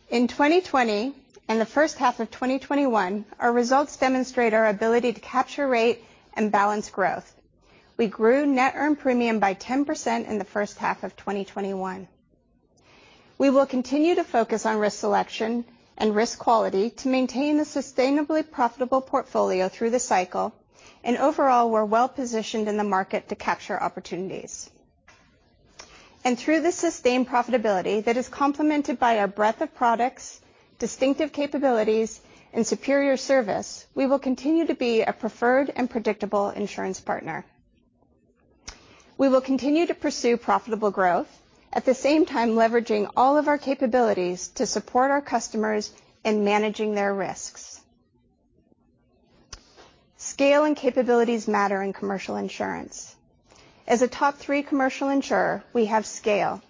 In 2020 and the first half of 2021, our results demonstrate our ability to capture rate and balance growth. We grew net earned premium by 10% in the first half of 2021. We will continue to focus on risk selection and risk quality to maintain a sustainably profitable portfolio through the cycle, and overall, we're well-positioned in the market to capture opportunities. Through the sustained profitability that is complemented by our breadth of products, distinctive capabilities, and superior service, we will continue to be a preferred and predictable insurance partner. We will continue to pursue profitable growth, at the same time leveraging all of our capabilities to support our customers in managing their risks. Scale and capabilities matter in commercial insurance. As a top three commercial insurer, we have scale.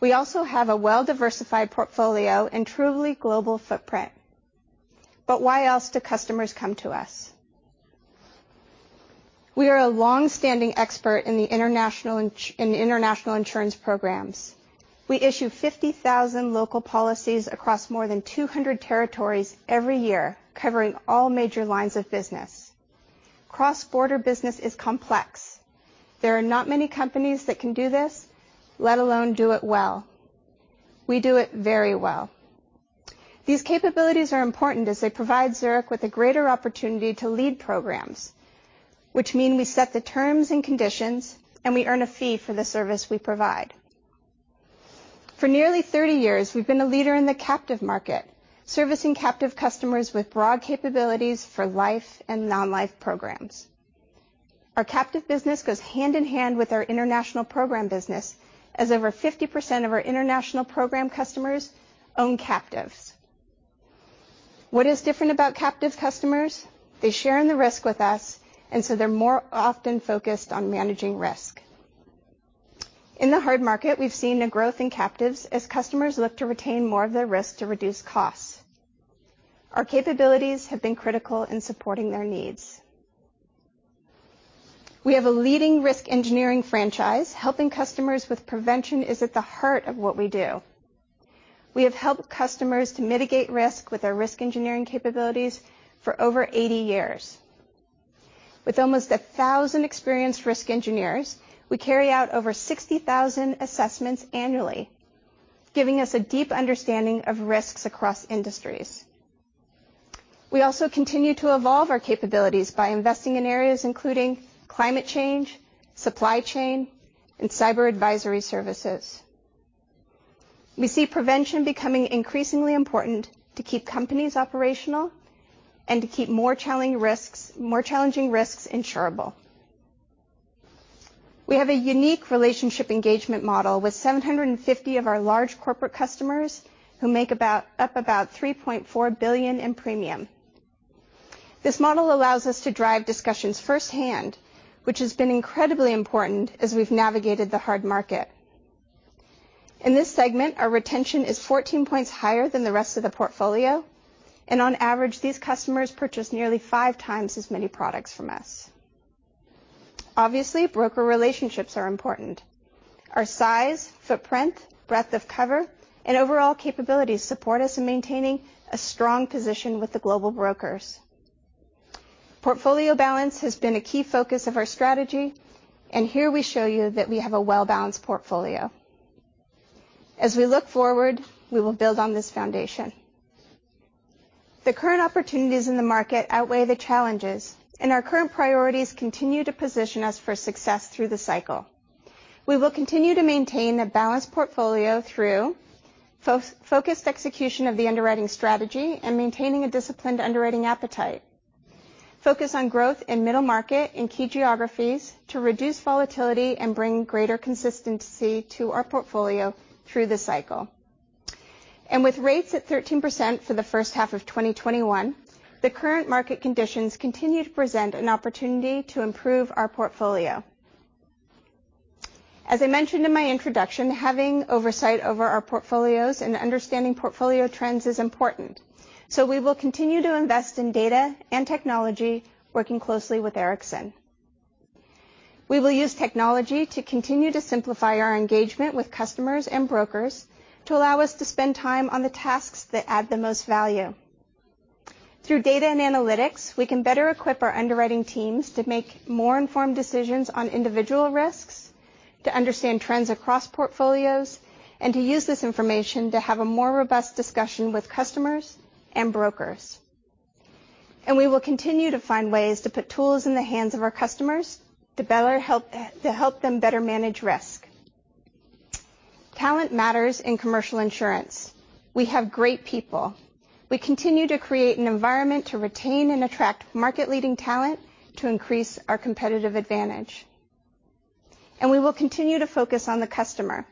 We also have a well-diversified portfolio and truly global footprint. Why else do customers come to us? We are a long-standing expert in the international insurance programs. We issue 50,000 local policies across more than 200 territories every year, covering all major lines of business. Cross-border business is complex. There are not many companies that can do this, let alone do it well. We do it very well. These capabilities are important as they provide Zurich with a greater opportunity to lead programs, which mean we set the terms and conditions, and we earn a fee for the service we provide. For nearly 30 years, we've been a leader in the captive market, servicing captive customers with broad capabilities for life and non-life programs. Our captive business goes hand in hand with our international program business as over 50% of our international program customers own captives. What is different about captive customers? They share in the risk with us, and so they're more often focused on managing risk. In the hard market, we've seen a growth in captives as customers look to retain more of their risk to reduce costs. Our capabilities have been critical in supporting their needs. We have a leading risk engineering franchise. Helping customers with prevention is at the heart of what we do. We have helped customers to mitigate risk with our risk engineering capabilities for over 80 years. With almost 1,000 experienced risk engineers, we carry out over 60,000 assessments annually, giving us a deep understanding of risks across industries. We also continue to evolve our capabilities by investing in areas including climate change, supply chain, and cyber advisory services. We see prevention becoming increasingly important to keep companies operational and to keep more challenging risks insurable. We have a unique relationship engagement model with 750 of our large corporate customers who make up about $3.4 billion in premium. This model allows us to drive discussions firsthand, which has been incredibly important as we've navigated the hard market. In this segment, our retention is 14 points higher than the rest of the portfolio, and on average, these customers purchase nearly 5x as many products from us. Obviously, broker relationships are important. Our size, footprint, breadth of cover, and overall capabilities support us in maintaining a strong position with the global brokers. Portfolio balance has been a key focus of our strategy, and here we show you that we have a well-balanced portfolio. As we look forward, we will build on this foundation. The current opportunities in the market outweigh the challenges and our current priorities continue to position us for success through the cycle. We will continue to maintain a balanced portfolio through focused execution of the underwriting strategy and maintaining a disciplined underwriting appetite. Focus on growth in middle market in key geographies to reduce volatility and bring greater consistency to our portfolio through the cycle. With rates at 13% for the first half of 2021, the current market conditions continue to present an opportunity to improve our portfolio. As I mentioned in my introduction, having oversight over our portfolios and understanding portfolio trends is important. We will continue to invest in data and technology, working closely with Ericson. We will use technology to continue to simplify our engagement with customers and brokers to allow us to spend time on the tasks that add the most value. Through data and analytics, we can better equip our underwriting teams to make more informed decisions on individual risks, to understand trends across portfolios, and to use this information to have a more robust discussion with customers and brokers. We will continue to find ways to put tools in the hands of our customers to help them better manage risk. Talent matters in commercial insurance. We have great people. We continue to create an environment to retain and attract market-leading talent to increase our competitive advantage. We will continue to focus on the customer.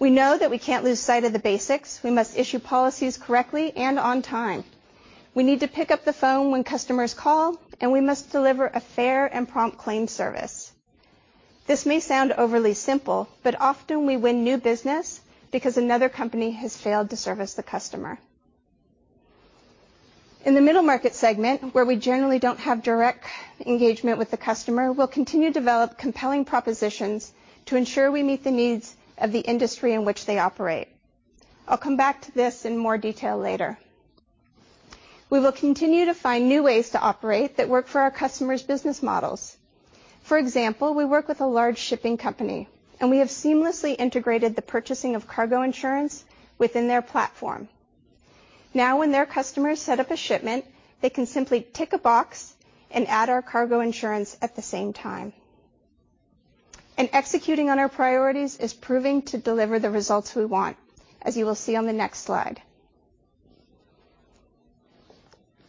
We know that we can't lose sight of the basics. We must issue policies correctly and on time. We need to pick up the phone when customers call, and we must deliver a fair and prompt claim service. This may sound overly simple, but often we win new business because another company has failed to service the customer. In the middle market segment, where we generally don't have direct engagement with the customer, we'll continue to develop compelling propositions to ensure we meet the needs of the industry in which they operate. I'll come back to this in more detail later. We will continue to find new ways to operate that work for our customers' business models. For example, we work with a large shipping company, and we have seamlessly integrated the purchasing of cargo insurance within their platform. Now when their customers set up a shipment, they can simply tick a box and add our cargo insurance at the same time. Executing on our priorities is proving to deliver the results we want, as you will see on the next slide.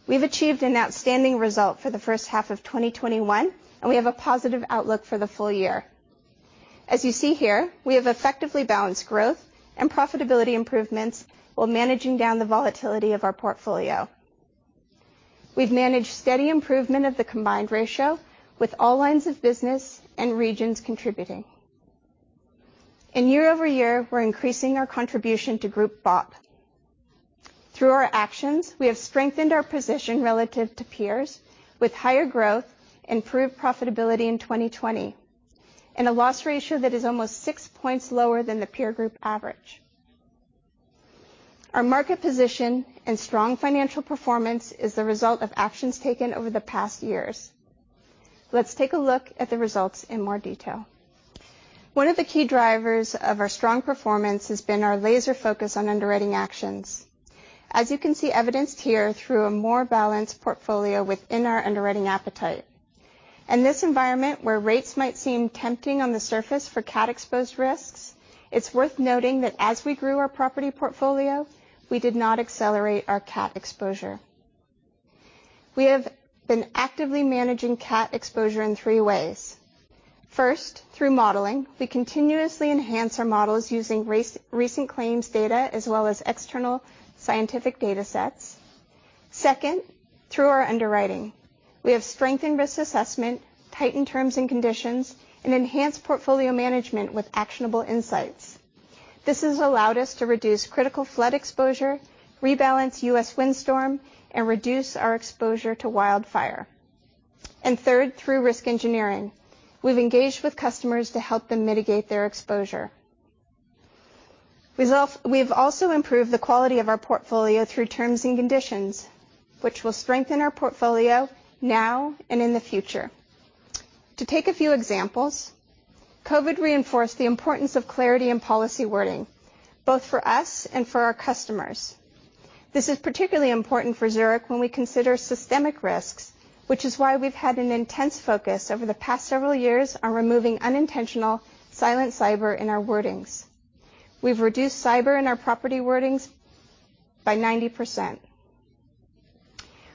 We've achieved an outstanding result for the first half of 2021, and we have a positive outlook for the full year. As you see here, we have effectively balanced growth and profitability improvements while managing down the volatility of our portfolio. We've managed steady improvement of the combined ratio with all lines of business and regions contributing. In year-over-year, we're increasing our contribution to group BOP. Through our actions, we have strengthened our position relative to peers with higher growth, improved profitability in 2020, and a loss ratio that is almost six points lower than the peer group average. Our market position and strong financial performance is the result of actions taken over the past years. Let's take a look at the results in more detail. One of the key drivers of our strong performance has been our laser focus on underwriting actions. As you can see evidenced here through a more balanced portfolio within our underwriting appetite. In this environment where rates might seem tempting on the surface for CAT-exposed risks. It's worth noting that as we grew our property portfolio, we did not accelerate our cat exposure. We have been actively managing cat exposure in three ways. First, through modeling, we continuously enhance our models using recent claims data as well as external scientific data sets. Second, through our underwriting, we have strengthened risk assessment, tightened terms and conditions, and enhanced portfolio management with actionable insights. This has allowed us to reduce critical flood exposure, rebalance U.S. windstorm, and reduce our exposure to wildfire. Third, through risk engineering. We've engaged with customers to help them mitigate their exposure. We've also improved the quality of our portfolio through terms and conditions, which will strengthen our portfolio now and in the future. To take a few examples, COVID reinforced the importance of clarity in policy wording, both for us and for our customers. This is particularly important for Zurich when we consider systemic risks, which is why we've had an intense focus over the past several years on removing unintentional silent cyber in our wordings. We've reduced cyber in our property wordings by 90%.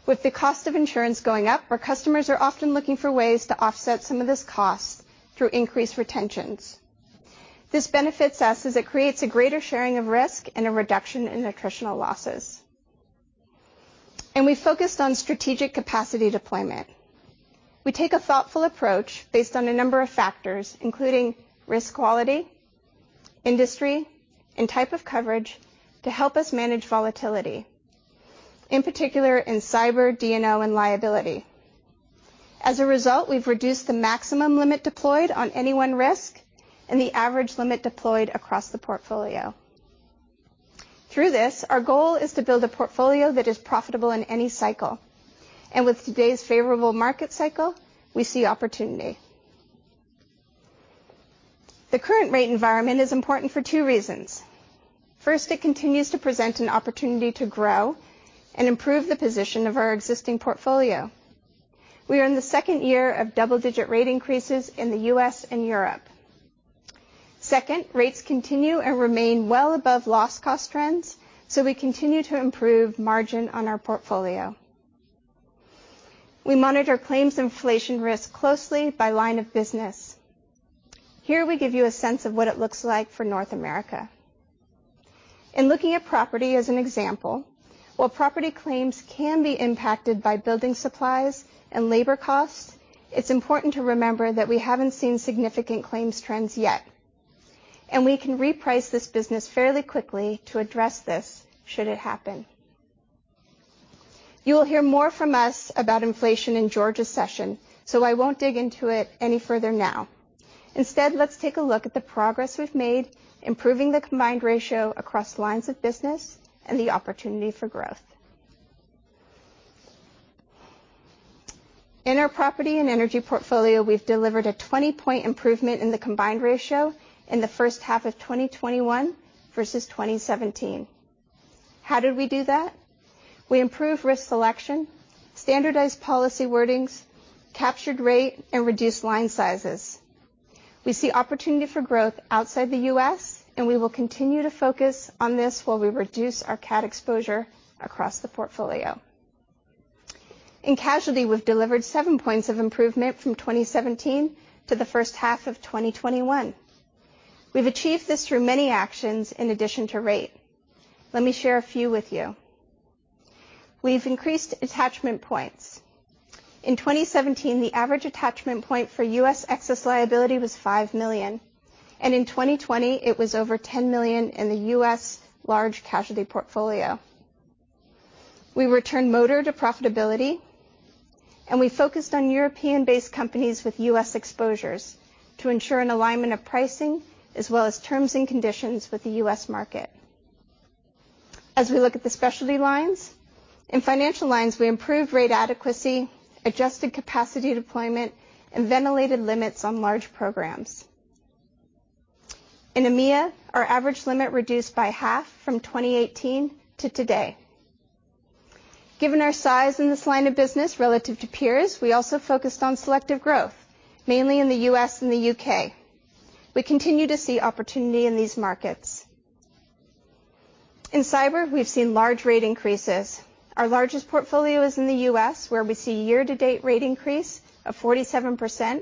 With the cost of insurance going up, our customers are often looking for ways to offset some of this cost through increased retentions. This benefits us as it creates a greater sharing of risk and a reduction in attritional losses. We focused on strategic capacity deployment. We take a thoughtful approach based on a number of factors, including risk quality, industry, and type of coverage to help us manage volatility, in particular in cyber, D&O, and liability. As a result, we've reduced the maximum limit deployed on any one risk and the average limit deployed across the portfolio. Through this, our goal is to build a portfolio that is profitable in any cycle, and with today's favorable market cycle, we see opportunity. The current rate environment is important for two reasons. First, it continues to present an opportunity to grow and improve the position of our existing portfolio. We are in the second year of double-digit rate increases in the U.S. and Europe. Second, rates continue and remain well above loss cost trends, so we continue to improve margin on our portfolio. We monitor claims inflation risk closely by line of business. Here we give you a sense of what it looks like for North America. In looking at property as an example, while property claims can be impacted by building supplies and labor costs, it's important to remember that we haven't seen significant claims trends yet, and we can reprice this business fairly quickly to address this should it happen. You will hear more from us about inflation in George Quinn's session, so I won't dig into it any further now. Instead, let's take a look at the progress we've made improving the combined ratio across lines of business and the opportunity for growth. In our property and energy portfolio, we've delivered a 20-point improvement in the combined ratio in the first half of 2021 versus 2017. How did we do that? We improved risk selection, standardized policy wordings, captured rate, and reduced line sizes. We see opportunity for growth outside the U.S., and we will continue to focus on this while we reduce our cat exposure across the portfolio. In casualty, we've delivered seven points of improvement from 2017 to the first half of 2021. We've achieved this through many actions in addition to rate. Let me share a few with you. We've increased attachment points. In 2017, the average attachment point for U.S. excess liability was $5 million, and in 2020 it was over $10 million in the U.S. large casualty portfolio. We returned motor to profitability, and we focused on European-based companies with U.S. exposures to ensure an alignment of pricing as well as terms and conditions with the U.S. market. As we look at the specialty lines, in financial lines, we improved rate adequacy, adjusted capacity deployment, and elevated limits on large programs. In EMEA, our average limit reduced by half from 2018 to today. Given our size in this line of business relative to peers, we also focused on selective growth, mainly in the U.S. and the U.K. We continue to see opportunity in these markets. In cyber, we've seen large rate increases. Our largest portfolio is in the U.S., where we see year-to-date rate increase of 47%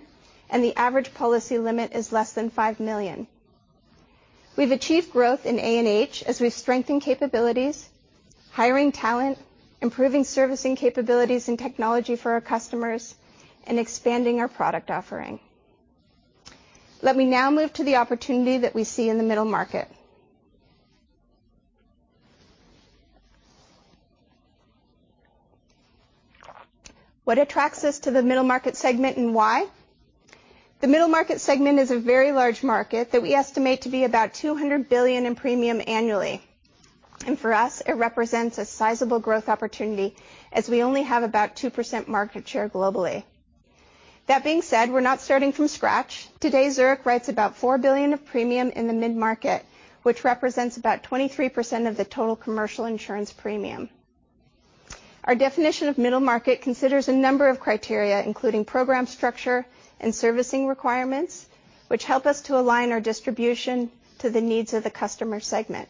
and the average policy limit is less than $5 million. We've achieved growth in A&H as we've strengthened capabilities, hiring talent, improving servicing capabilities and technology for our customers, and expanding our product offering. Let me now move to the opportunity that we see in the middle market. What attracts us to the middle market segment and why? The middle market segment is a very large market that we estimate to be about $200 billion in premium annually, and for us, it represents a sizable growth opportunity as we only have about 2% market share globally. That being said, we're not starting from scratch. Today, Zurich writes about $4 billion of premium in the mid-market, which represents about 23% of the total commercial insurance premium. Our definition of middle market considers a number of criteria, including program structure and servicing requirements, which help us to align our distribution to the needs of the customer segment.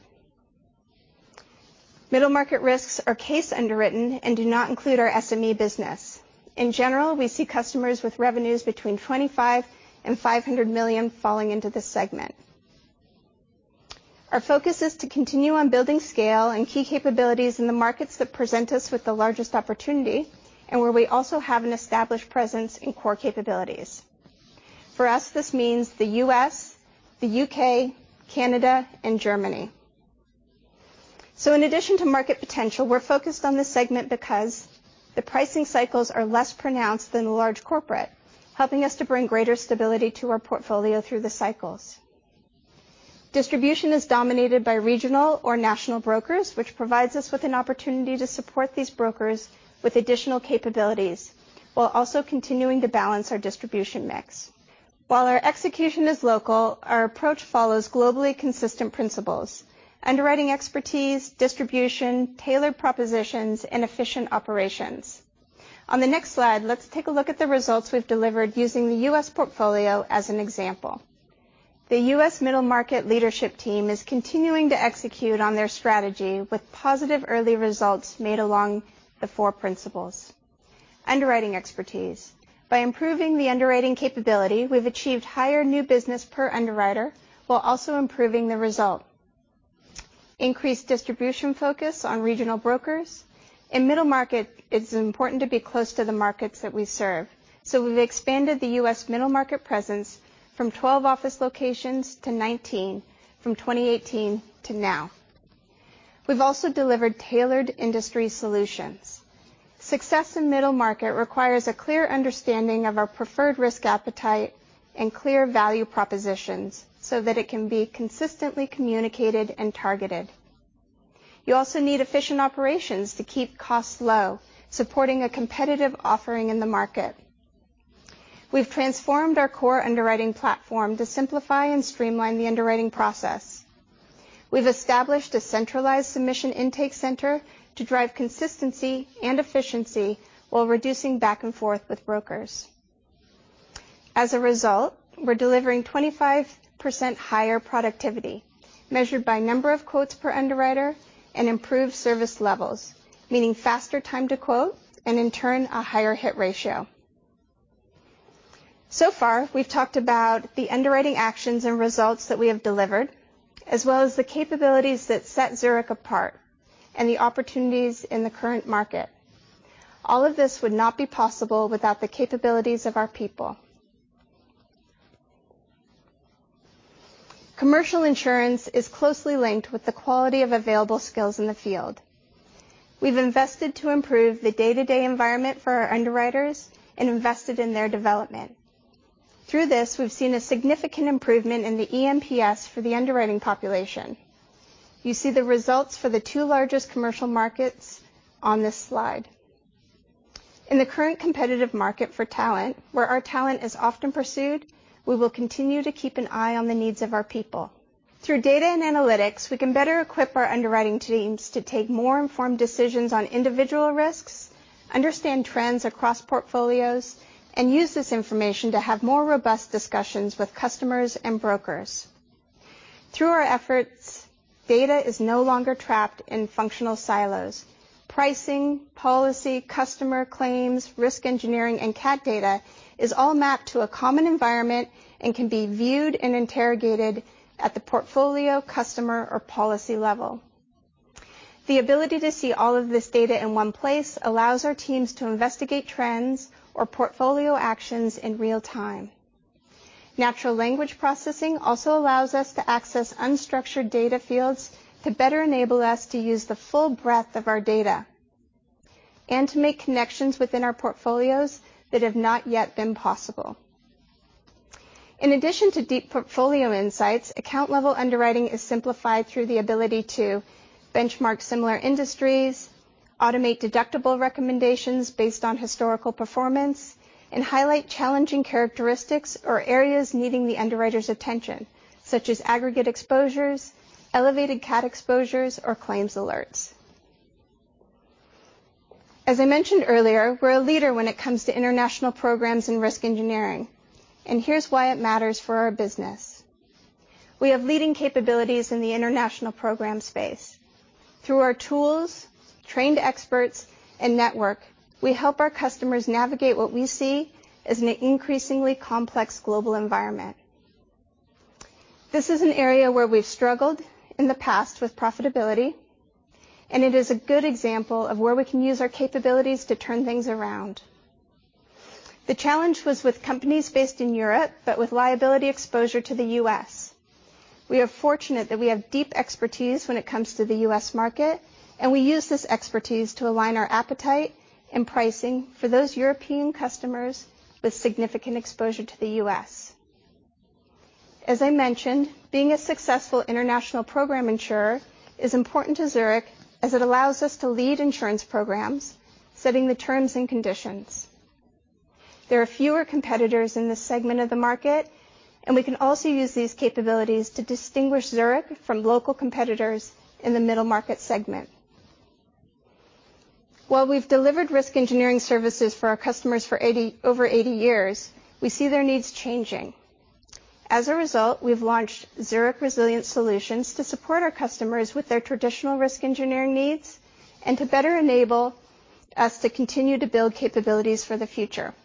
Middle market risks are case underwritten and do not include our SME business. In general, we see customers with revenues between $25 million and $500 million falling into this segment. Our focus is to continue on building scale and key capabilities in the markets that present us with the largest opportunity, and where we also have an established presence in core capabilities. For us, this means the U.S., the U.K., Canada, and Germany. In addition to market potential, we're focused on this segment because the pricing cycles are less pronounced than large corporate, helping us to bring greater stability to our portfolio through the cycles. Distribution is dominated by regional or national brokers, which provides us with an opportunity to support these brokers with additional capabilities while also continuing to balance our distribution mix. While our execution is local, our approach follows globally consistent principles, underwriting expertise, distribution, tailored propositions, and efficient operations. On the next slide, let's take a look at the results we've delivered using the U.S. portfolio as an example. The U.S. Middle Market leadership team is continuing to execute on their strategy with positive early results made along the four principles. Underwriting expertise by improving the underwriting capability, we've achieved higher new business per underwriter while also improving the result. Increased distribution focus on regional brokers in middle market, it's important to be close to the markets that we serve, so we've expanded the U.S. middle market presence from 12 office locations to 19 from 2018 to now. We've also delivered tailored industry solutions. Success in middle market requires a clear understanding of our preferred risk appetite and clear value propositions so that it can be consistently communicated and targeted. You also need efficient operations to keep costs low, supporting a competitive offering in the market. We've transformed our core underwriting platform to simplify and streamline the underwriting process. We've established a centralized submission intake center to drive consistency and efficiency while reducing back and forth with brokers. As a result, we're delivering 25% higher productivity measured by number of quotes per underwriter and improved service levels, meaning faster time to quote and in turn a higher hit ratio. So far, we've talked about the underwriting actions and results that we have delivered, as well as the capabilities that set Zurich apart and the opportunities in the current market. All of this would not be possible without the capabilities of our people. Commercial insurance is closely linked with the quality of available skills in the field. We've invested to improve the day-to-day environment for our underwriters and invested in their development. Through this, we've seen a significant improvement in the eNPS for the underwriting population. You see the results for the two largest commercial markets on this slide. In the current competitive market for talent, where our talent is often pursued, we will continue to keep an eye on the needs of our people. Through data and analytics, we can better equip our underwriting teams to take more informed decisions on individual risks, understand trends across portfolios, and use this information to have more robust discussions with customers and brokers. Through our efforts, data is no longer trapped in functional silos. Pricing, policy, customer claims, risk engineering, and cat data is all mapped to a common environment and can be viewed and interrogated at the portfolio, customer, or policy level. The ability to see all of this data in one place allows our teams to investigate trends or portfolio actions in real time. Natural language processing also allows us to access unstructured data fields to better enable us to use the full breadth of our data and to make connections within our portfolios that have not yet been possible. In addition to deep portfolio insights, account-level underwriting is simplified through the ability to benchmark similar industries, automate deductible recommendations based on historical performance, and highlight challenging characteristics or areas needing the underwriter's attention, such as aggregate exposures, elevated cat exposures, or claims alerts. As I mentioned earlier, we're a leader when it comes to international programs in risk engineering, and here's why it matters for our business. We have leading capabilities in the international program space. Through our tools, trained experts, and network, we help our customers navigate what we see as an increasingly complex global environment. This is an area where we've struggled in the past with profitability, and it is a good example of where we can use our capabilities to turn things around. The challenge was with companies based in Europe, but with liability exposure to the U.S. We are fortunate that we have deep expertise when it comes to the U.S. market, and we use this expertise to align our appetite in pricing for those European customers with significant exposure to the U.S. As I mentioned, being a successful international program insurer is important to Zurich as it allows us to lead insurance programs, setting the terms and conditions. There are fewer competitors in this segment of the market, and we can also use these capabilities to distinguish Zurich from local competitors in the middle market segment. While we've delivered risk engineering services for our customers for over 80 years, we see their needs changing. As a result, we've launched Zurich Resilience Solutions to support our customers with their traditional risk engineering needs and to better enable us to continue to build capabilities for the future.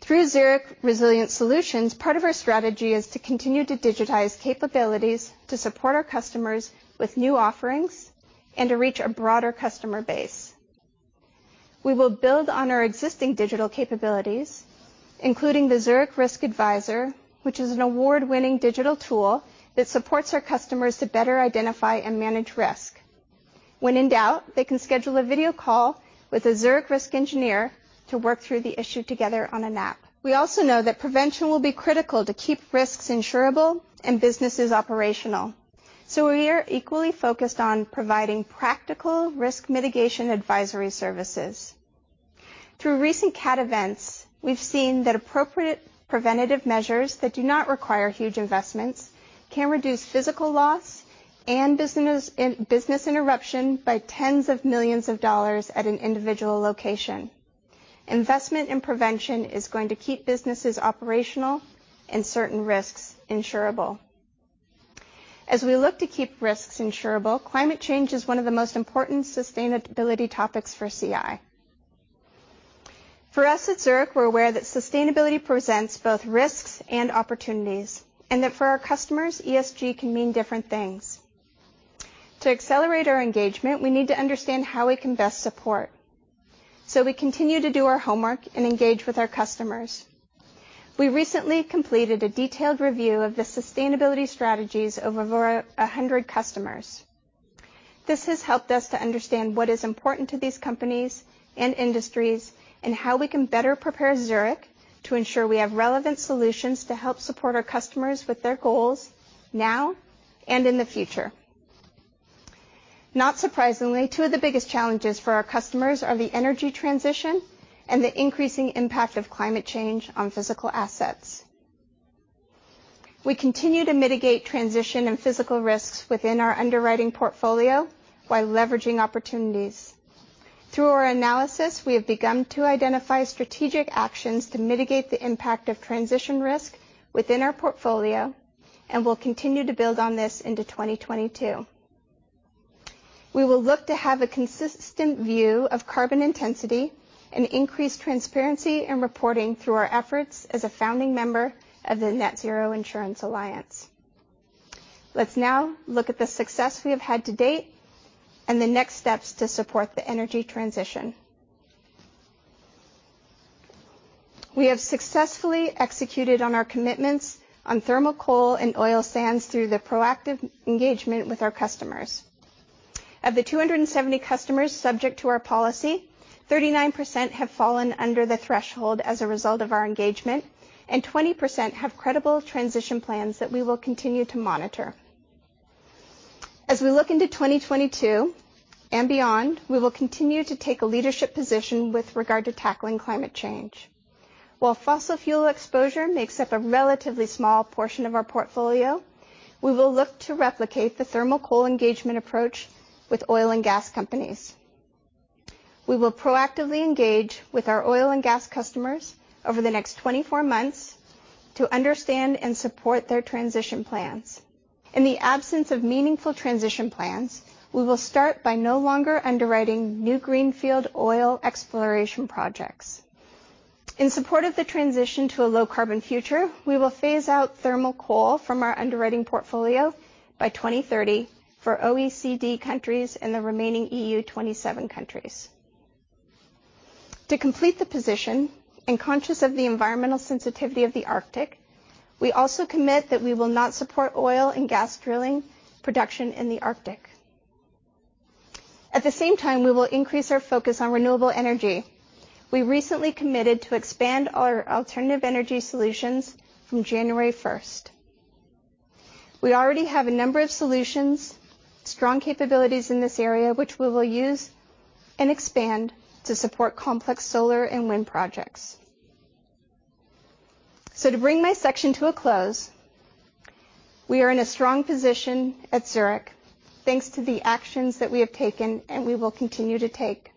Through Zurich Resilience Solutions, part of our strategy is to continue to digitize capabilities to support our customers with new offerings and to reach a broader customer base. We will build on our existing digital capabilities, including the Zurich Risk Advisor, which is an award-winning digital tool that supports our customers to better identify and manage risk. When in doubt, they can schedule a video call with a Zurich risk engineer to work through the issue together on an app. We also know that prevention will be critical to keep risks insurable and businesses operational, so we are equally focused on providing practical risk mitigation advisory services. Through recent cat events, we've seen that appropriate preventative measures that do not require huge investments can reduce physical loss and business interruption by $10s of millions at an individual location. Investment in prevention is going to keep businesses operational and certain risks insurable. As we look to keep risks insurable, climate change is one of the most important sustainability topics for CI. For us at Zurich, we're aware that sustainability presents both risks and opportunities, and that for our customers, ESG can mean different things. To accelerate our engagement, we need to understand how we can best support, so we continue to do our homework and engage with our customers. We recently completed a detailed review of the sustainability strategies of over 100 customers. This has helped us to understand what is important to these companies and industries and how we can better prepare Zurich to ensure we have relevant solutions to help support our customers with their goals now and in the future. Not surprisingly, two of the biggest challenges for our customers are the energy transition and the increasing impact of climate change on physical assets. We continue to mitigate transition and physical risks within our underwriting portfolio while leveraging opportunities. Through our analysis, we have begun to identify strategic actions to mitigate the impact of transition risk within our portfolio and will continue to build on this into 2022. We will look to have a consistent view of carbon intensity and increased transparency in reporting through our efforts as a founding member of the Net-Zero Insurance Alliance. Let's now look at the success we have had to date and the next steps to support the energy transition. We have successfully executed on our commitments on thermal coal and oil sands through the proactive engagement with our customers. Of the 270 customers subject to our policy, 39% have fallen under the threshold as a result of our engagement, and 20% have credible transition plans that we will continue to monitor. As we look into 2022 and beyond, we will continue to take a leadership position with regard to tackling climate change. While fossil fuel exposure makes up a relatively small portion of our portfolio, we will look to replicate the thermal coal engagement approach with oil and gas companies. We will proactively engage with our oil and gas customers over the next 24 months to understand and support their transition plans. In the absence of meaningful transition plans, we will start by no longer underwriting new greenfield oil exploration projects. In support of the transition to a low-carbon future, we will phase out thermal coal from our underwriting portfolio by 2030 for OECD countries and the remaining E.U. 27 countries. To complete the position, and conscious of the environmental sensitivity of the Arctic, we also commit that we will not support oil and gas drilling production in the Arctic. At the same time, we will increase our focus on renewable energy. We recently committed to expand our alternative energy solutions from January first. We already have a number of solutions, strong capabilities in this area, which we will use and expand to support complex solar and wind projects. To bring my section to a close, we are in a strong position at Zurich thanks to the actions that we have taken, and we will continue to take.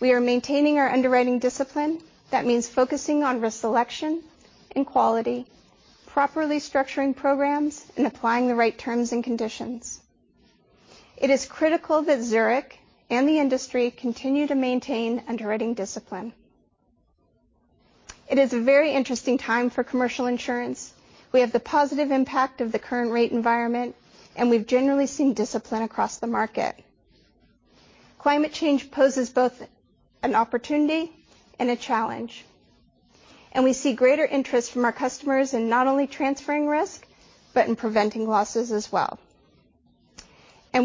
We are maintaining our underwriting discipline. That means focusing on risk selection and quality, properly structuring programs, and applying the right terms and conditions. It is critical that Zurich and the industry continue to maintain underwriting discipline. It is a very interesting time for commercial insurance. We have the positive impact of the current rate environment, and we've generally seen discipline across the market. Climate change poses both an opportunity and a challenge, and we see greater interest from our customers in not only transferring risk, but in preventing losses as well.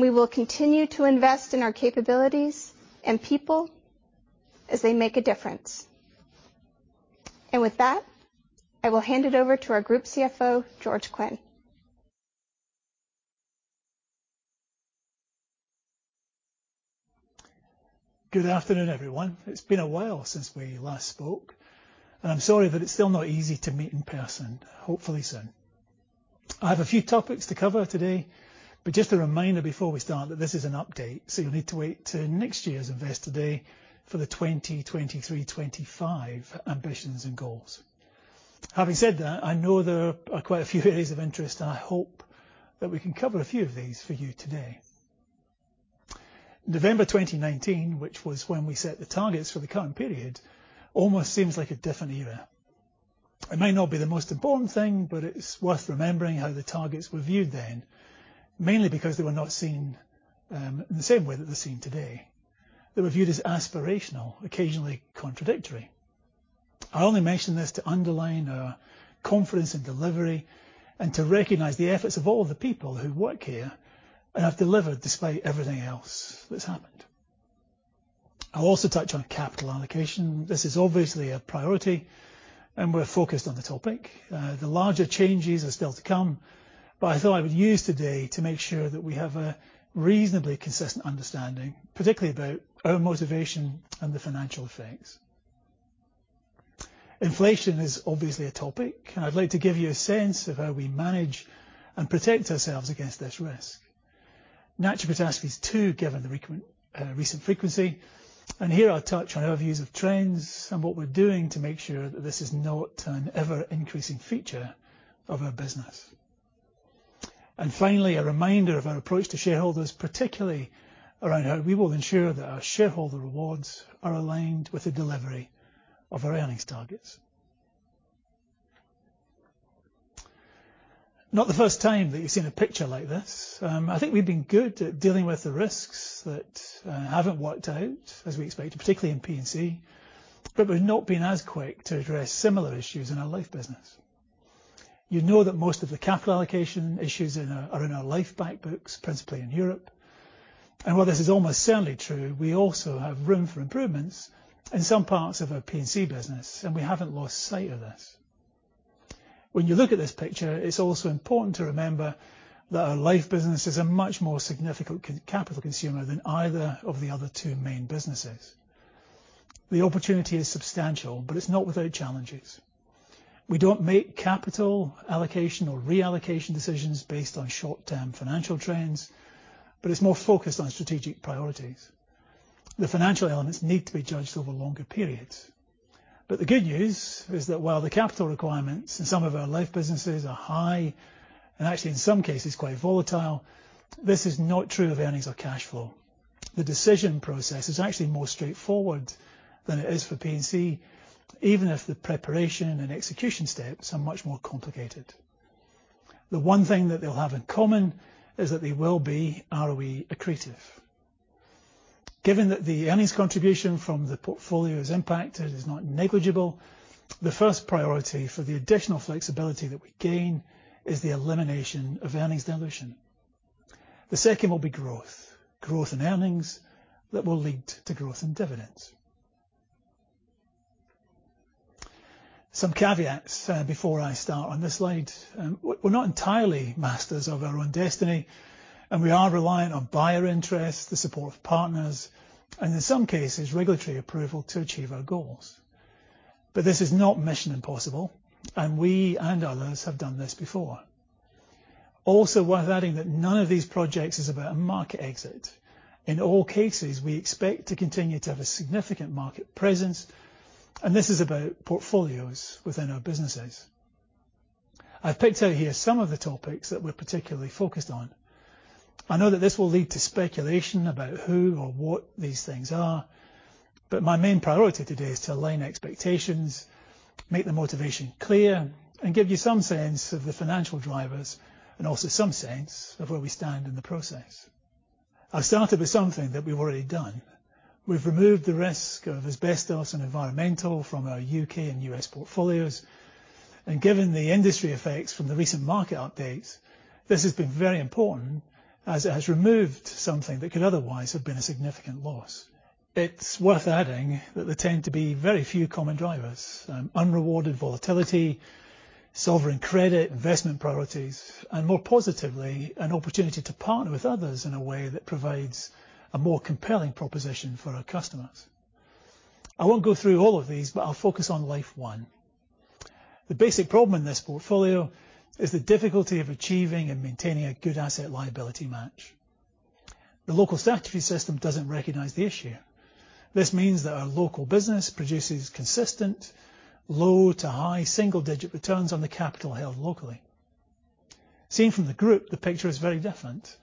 We will continue to invest in our capabilities and people as they make a difference. With that, I will hand it over to our Group CFO, George Quinn. Good afternoon, everyone. It's been a while since we last spoke, and I'm sorry that it's still not easy to meet in person. Hopefully soon. I have a few topics to cover today, but just a reminder before we start that this is an update, so you'll need to wait till next year's Investor Day for the 2023/2025 ambitions and goals. Having said that, I know there are quite a few areas of interest, and I hope that we can cover a few of these for you today. November 2019, which was when we set the targets for the current period, almost seems like a different era. It may not be the most important thing, but it's worth remembering how the targets were viewed then, mainly because they were not seen in the same way that they're seen today. They were viewed as aspirational, occasionally contradictory. I only mention this to underline our confidence in delivery and to recognize the efforts of all of the people who work here and have delivered despite everything else that's happened. I'll also touch on capital allocation. This is obviously a priority, and we're focused on the topic. The larger changes are still to come, but I thought I would use today to make sure that we have a reasonably consistent understanding, particularly about our motivation and the financial effects. Inflation is obviously a topic, and I'd like to give you a sense of how we manage and protect ourselves against this risk. Natural catastrophes too, given the recent frequency. Here I'll touch on our views of trends and what we're doing to make sure that this is not an ever-increasing feature of our business. Finally, a reminder of our approach to shareholders, particularly around how we will ensure that our shareholder rewards are aligned with the delivery of our earnings targets. Not the first time that you've seen a picture like this. I think we've been good at dealing with the risks that haven't worked out as we expected, particularly in P&C, but we've not been as quick to address similar issues in our life business. You know that most of the capital allocation issues are in our life back books, principally in Europe. While this is almost certainly true, we also have room for improvements in some parts of our P&C business, and we haven't lost sight of this. When you look at this picture, it's also important to remember that our life business is a much more significant capital consumer than either of the other two main businesses. The opportunity is substantial, but it's not without challenges. We don't make capital allocation or reallocation decisions based on short-term financial trends, but it's more focused on strategic priorities. The financial elements need to be judged over longer periods. The good news is that while the capital requirements in some of our life businesses are high, and actually in some cases quite volatile, this is not true of earnings or cash flow. The decision process is actually more straightforward than it is for P&C, even if the preparation and execution steps are much more complicated. The one thing that they'll have in common is that they will be ROE accretive. Given that the earnings contribution from the portfolio is impacted is not negligible, the first priority for the additional flexibility that we gain is the elimination of earnings dilution. The second will be growth in earnings that will lead to growth in dividends. Some caveats before I start on this slide. We're not entirely masters of our own destiny, and we are reliant on buyer interest, the support of partners, and in some cases, regulatory approval to achieve our goals. This is not mission impossible, and we and others have done this before. Also worth adding that none of these projects is about a market exit. In all cases, we expect to continue to have a significant market presence, and this is about portfolios within our businesses. I've picked out here some of the topics that we're particularly focused on. I know that this will lead to speculation about who or what these things are, but my main priority today is to align expectations, make the motivation clear, and give you some sense of the financial drivers and also some sense of where we stand in the process. I've started with something that we've already done. We've removed the risk of asbestos and environmental from our U.K. and U.S. portfolios. Given the industry effects from the recent market updates, this has been very important as it has removed something that could otherwise have been a significant loss. It's worth adding that there tend to be very few common drivers, unrewarded volatility, sovereign credit, investment priorities, and more positively, an opportunity to partner with others in a way that provides a more compelling proposition for our customers. I won't go through all of these, but I'll focus on life one. The basic problem in this portfolio is the difficulty of achieving and maintaining a good asset liability match. The local statutory system doesn't recognize the issue. This means that our local business produces consistent low to high single-digit returns on the capital held locally. Seen from the group, the picture is very different.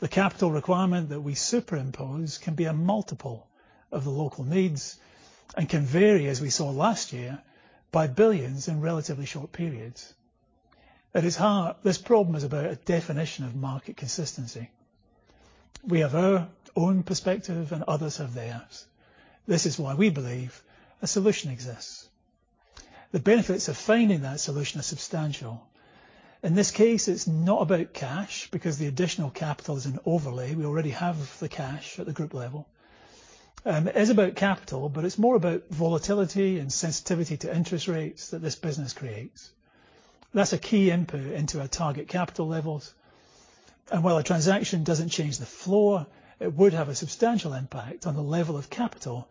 The capital requirement that we superimpose can be a multiple of the local needs and can vary, as we saw last year, by billions in relatively short periods. At its heart, this problem is about a definition of market consistency. We have our own perspective, and others have theirs. This is why we believe a solution exists. The benefits of finding that solution are substantial. In this case, it's not about cash because the additional capital is an overlay. We already have the cash at the group level. It is about capital, but it's more about volatility and sensitivity to interest rates that this business creates. That's a key input into our target capital levels. While a transaction doesn't change the floor, it would have a substantial impact on the level of capital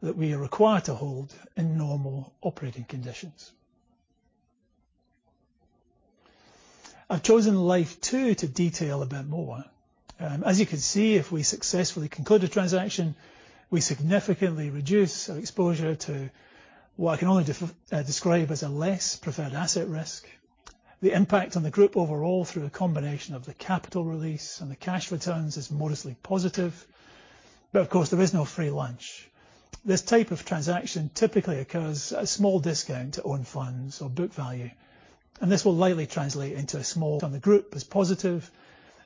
that we are required to hold in normal operating conditions. I've chosen Life 2 to detail a bit more. As you can see, if we successfully conclude a transaction, we significantly reduce our exposure to what I can only describe as a less preferred asset risk. The impact on the group overall, through a combination of the capital release and the cash returns, is modestly positive. Of course, there is no free lunch. This type of transaction typically occurs at a small discount to own funds or book value, and this will likely translate into a small gain on the group as positive,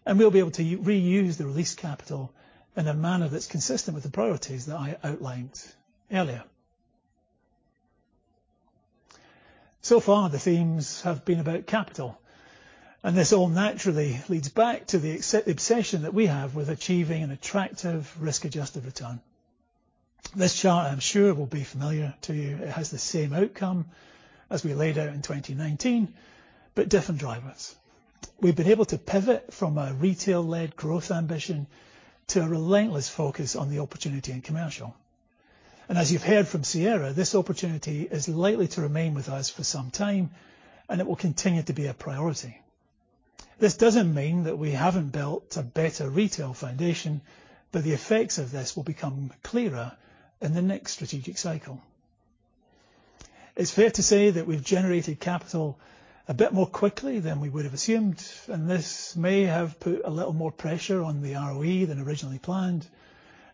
and we'll be able to reuse the released capital in a manner that's consistent with the priorities that I outlined earlier. So far, the themes have been about capital, and this all naturally leads back to the obsession that we have with achieving an attractive risk-adjusted return. This chart, I'm sure it will be familiar to you. It has the same outcome as we laid out in 2019, but different drivers. We've been able to pivot from a retail-led growth ambition to a relentless focus on the opportunity in commercial. As you've heard from Sierra, this opportunity is likely to remain with us for some time, and it will continue to be a priority. This doesn't mean that we haven't built a better retail foundation, but the effects of this will become clearer in the next strategic cycle. It's fair to say that we've generated capital a bit more quickly than we would have assumed, and this may have put a little more pressure on the ROE than originally planned.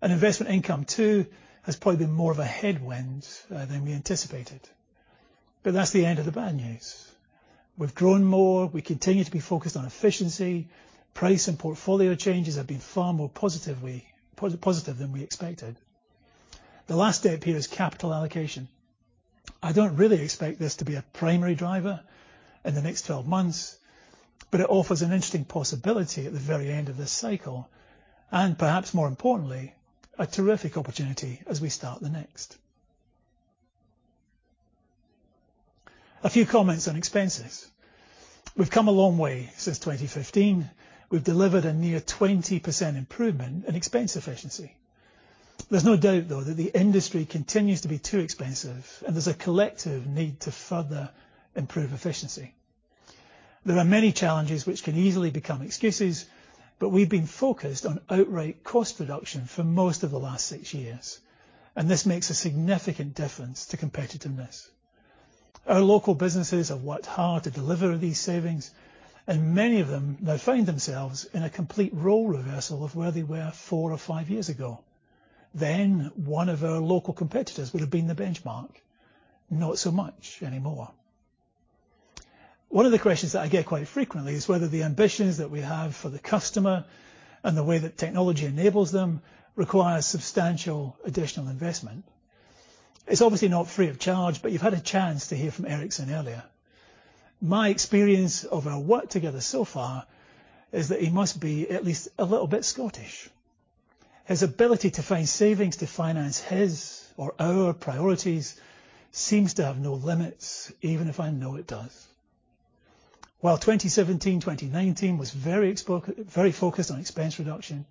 Investment income, too, has probably been more of a headwind than we anticipated. That's the end of the bad news. We've grown more. We continue to be focused on efficiency. Price and portfolio changes have been far more positive than we expected. The last step here is capital allocation. I don't really expect this to be a primary driver in the next 12 months, but it offers an interesting possibility at the very end of this cycle, and perhaps more importantly, a terrific opportunity as we start the next. A few comments on expenses. We've come a long way since 2015. We've delivered a near 20% improvement in expense efficiency. There's no doubt, though, that the industry continues to be too expensive and there's a collective need to further improve efficiency. There are many challenges which can easily become excuses, but we've been focused on outright cost reduction for most of the last six years, and this makes a significant difference to competitiveness. Our local businesses have worked hard to deliver these savings, and many of them now find themselves in a complete role reversal of where they were four or five years ago. One of our local competitors would have been the benchmark. Not so much anymore. One of the questions that I get quite frequently is whether the ambitions that we have for the customer and the way that technology enables them requires substantial additional investment. It's obviously not free of charge, but you've had a chance to hear from Ericson earlier. My experience of our work together so far is that he must be at least a little bit Scottish. His ability to find savings to finance his or our priorities seems to have no limits, even if I know it does. While 2017, 2019 was very focused on expense reduction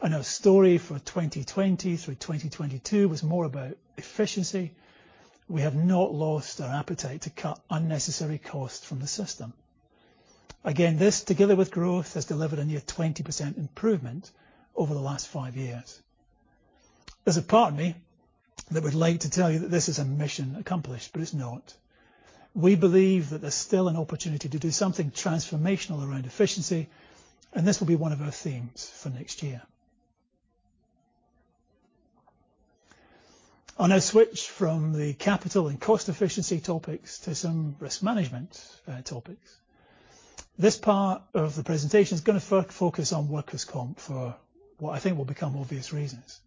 and our story for 2020 through 2022 was more about efficiency, we have not lost our appetite to cut unnecessary costs from the system. Again, this together with growth has delivered a near 20% improvement over the last five years. There's a part of me that would like to tell you that this is a mission accomplished, but it's not. We believe that there's still an opportunity to do something transformational around efficiency, and this will be one of our themes for next year. On a switch from the capital and cost efficiency topics to some risk management topics. This part of the presentation is gonna focus on workers' comp for what I think will become obvious reasons.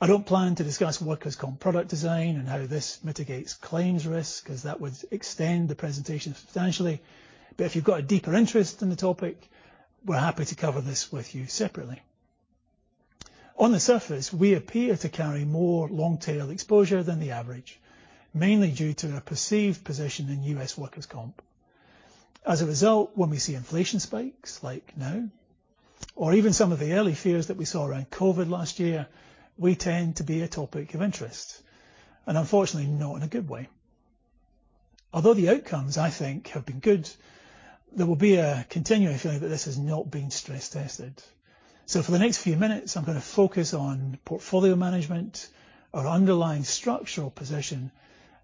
I don't plan to discuss workers' comp product design and how this mitigates claims risk, 'cause that would extend the presentation substantially. If you've got a deeper interest in the topic, we're happy to cover this with you separately. On the surface, we appear to carry more long-tail exposure than the average, mainly due to a perceived position in U.S. workers' comp. As a result, when we see inflation spikes, like now, or even some of the early fears that we saw around COVID last year, we tend to be a topic of interest, and unfortunately not in a good way. Although the outcomes, I think, have been good, there will be a continuing feeling that this has not been stress tested. For the next few minutes, I'm gonna focus on portfolio management or underlying structural position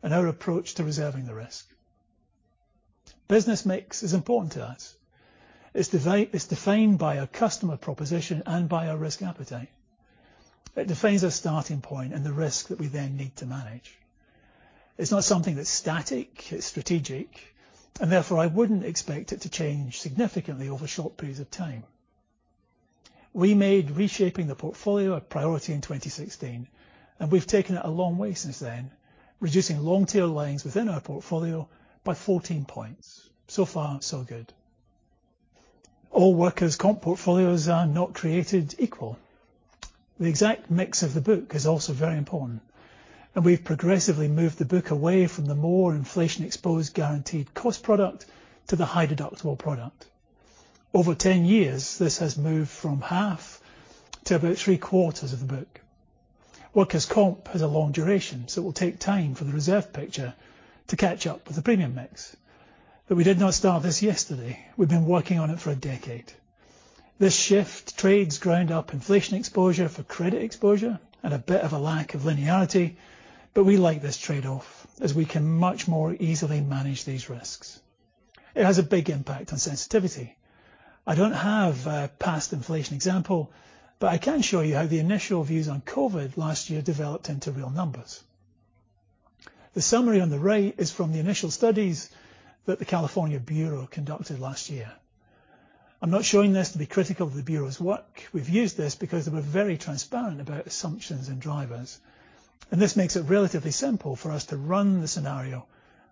and our approach to reserving the risk. Business mix is important to us. It's defined by our customer proposition and by our risk appetite. It defines our starting point and the risk that we then need to manage. It's not something that's static, it's strategic, and therefore, I wouldn't expect it to change significantly over short periods of time. We made reshaping the portfolio a priority in 2016, and we've taken it a long way since then, reducing long tail lines within our portfolio by 14 points. So far, so good. All workers' comp portfolios are not created equal. The exact mix of the book is also very important, and we've progressively moved the book away from the more inflation exposed guaranteed cost product to the high deductible product. Over 10 years, this has moved from half to about three-quarters of the book. Workers' comp has a long duration, so it will take time for the reserve picture to catch up with the premium mix. But we did not start this yesterday. We've been working on it for a decade. This shift trades ground up inflation exposure for credit exposure and a bit of a lack of linearity, but we like this trade-off as we can much more easily manage these risks. It has a big impact on sensitivity. I don't have a past inflation example, but I can show you how the initial views on COVID last year developed into real numbers. The summary on the right is from the initial studies that WCIRB California conducted last year. I'm not showing this to be critical of WCIRB's work. We've used this because they were very transparent about assumptions and drivers, and this makes it relatively simple for us to run the scenario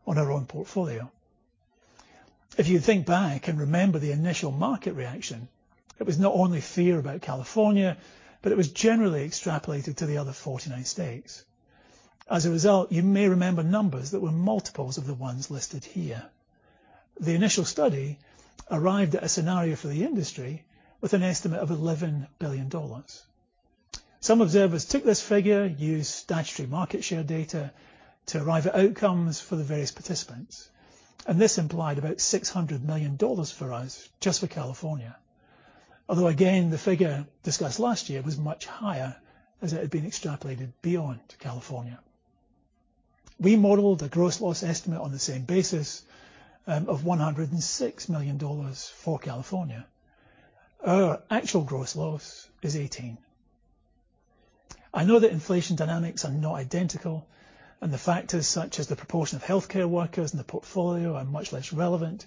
on our own portfolio. If you think back and remember the initial market reaction, it was not only fear about California, but it was generally extrapolated to the other 49 states. As a result, you may remember numbers that were multiples of the ones listed here. The initial study arrived at a scenario for the industry with an estimate of $11 billion. Some observers took this figure, used statutory market share data to arrive at outcomes for the various participants, and this implied about $600 million for us just for California. Although again, the figure discussed last year was much higher as it had been extrapolated beyond California. We modeled a gross loss estimate on the same basis, of $106 million for California. Our actual gross loss is $18 million. I know that inflation dynamics are not identical and the factors such as the proportion of healthcare workers in the portfolio are much less relevant,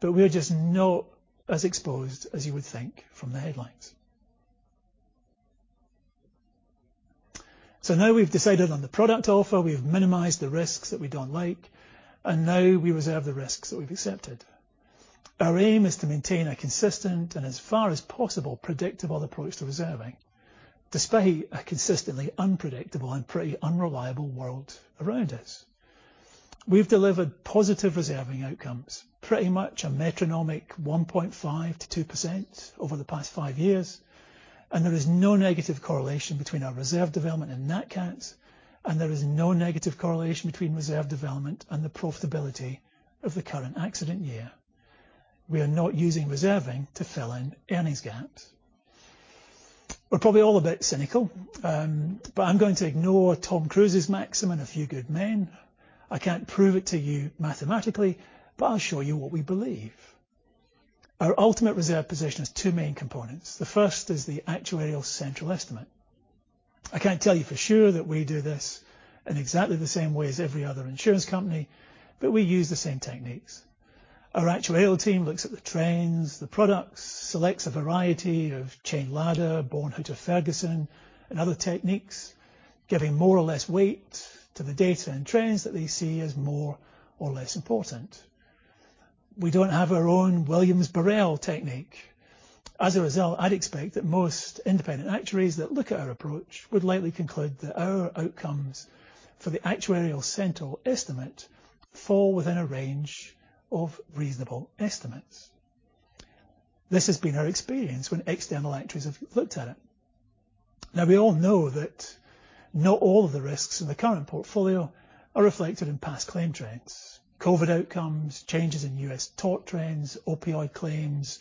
but we're just not as exposed as you would think from the headlines. Now we've decided on the product offer. We've minimized the risks that we don't like, and now we reserve the risks that we've accepted. Our aim is to maintain a consistent and as far as possible, predictable approach to reserving, despite a consistently unpredictable and pretty unreliable world around us. We've delivered positive reserving outcomes, pretty much a metronomic 1.5%-2% over the past five years, and there is no negative correlation between our reserve development and Nat Cats, and there is no negative correlation between reserve development and the profitability of the current accident year. We are not using reserving to fill in earnings gaps. We're probably all a bit cynical, but I'm going to ignore Tom Cruise's maxim in A Few Good Men. I can't prove it to you mathematically, but I'll show you what we believe. Our ultimate reserve position has two main components. The first is the actuarial central estimate. I can't tell you for sure that we do this in exactly the same way as every other insurance company, but we use the same techniques. Our actuarial team looks at the trends, the products, selects a variety of chain ladder, Bornhuetter-Ferguson, and other techniques, giving more or less weight to the data and trends that they see as more or less important. We don't have our own Williams-Burrell technique. As a result, I'd expect that most independent actuaries that look at our approach would likely conclude that our outcomes for the actuarial central estimate fall within a range of reasonable estimates. This has been our experience when external actuaries have looked at it. Now, we all know that not all of the risks in the current portfolio are reflected in past claim trends. COVID outcomes, changes in U.S. tort trends, opioid claims,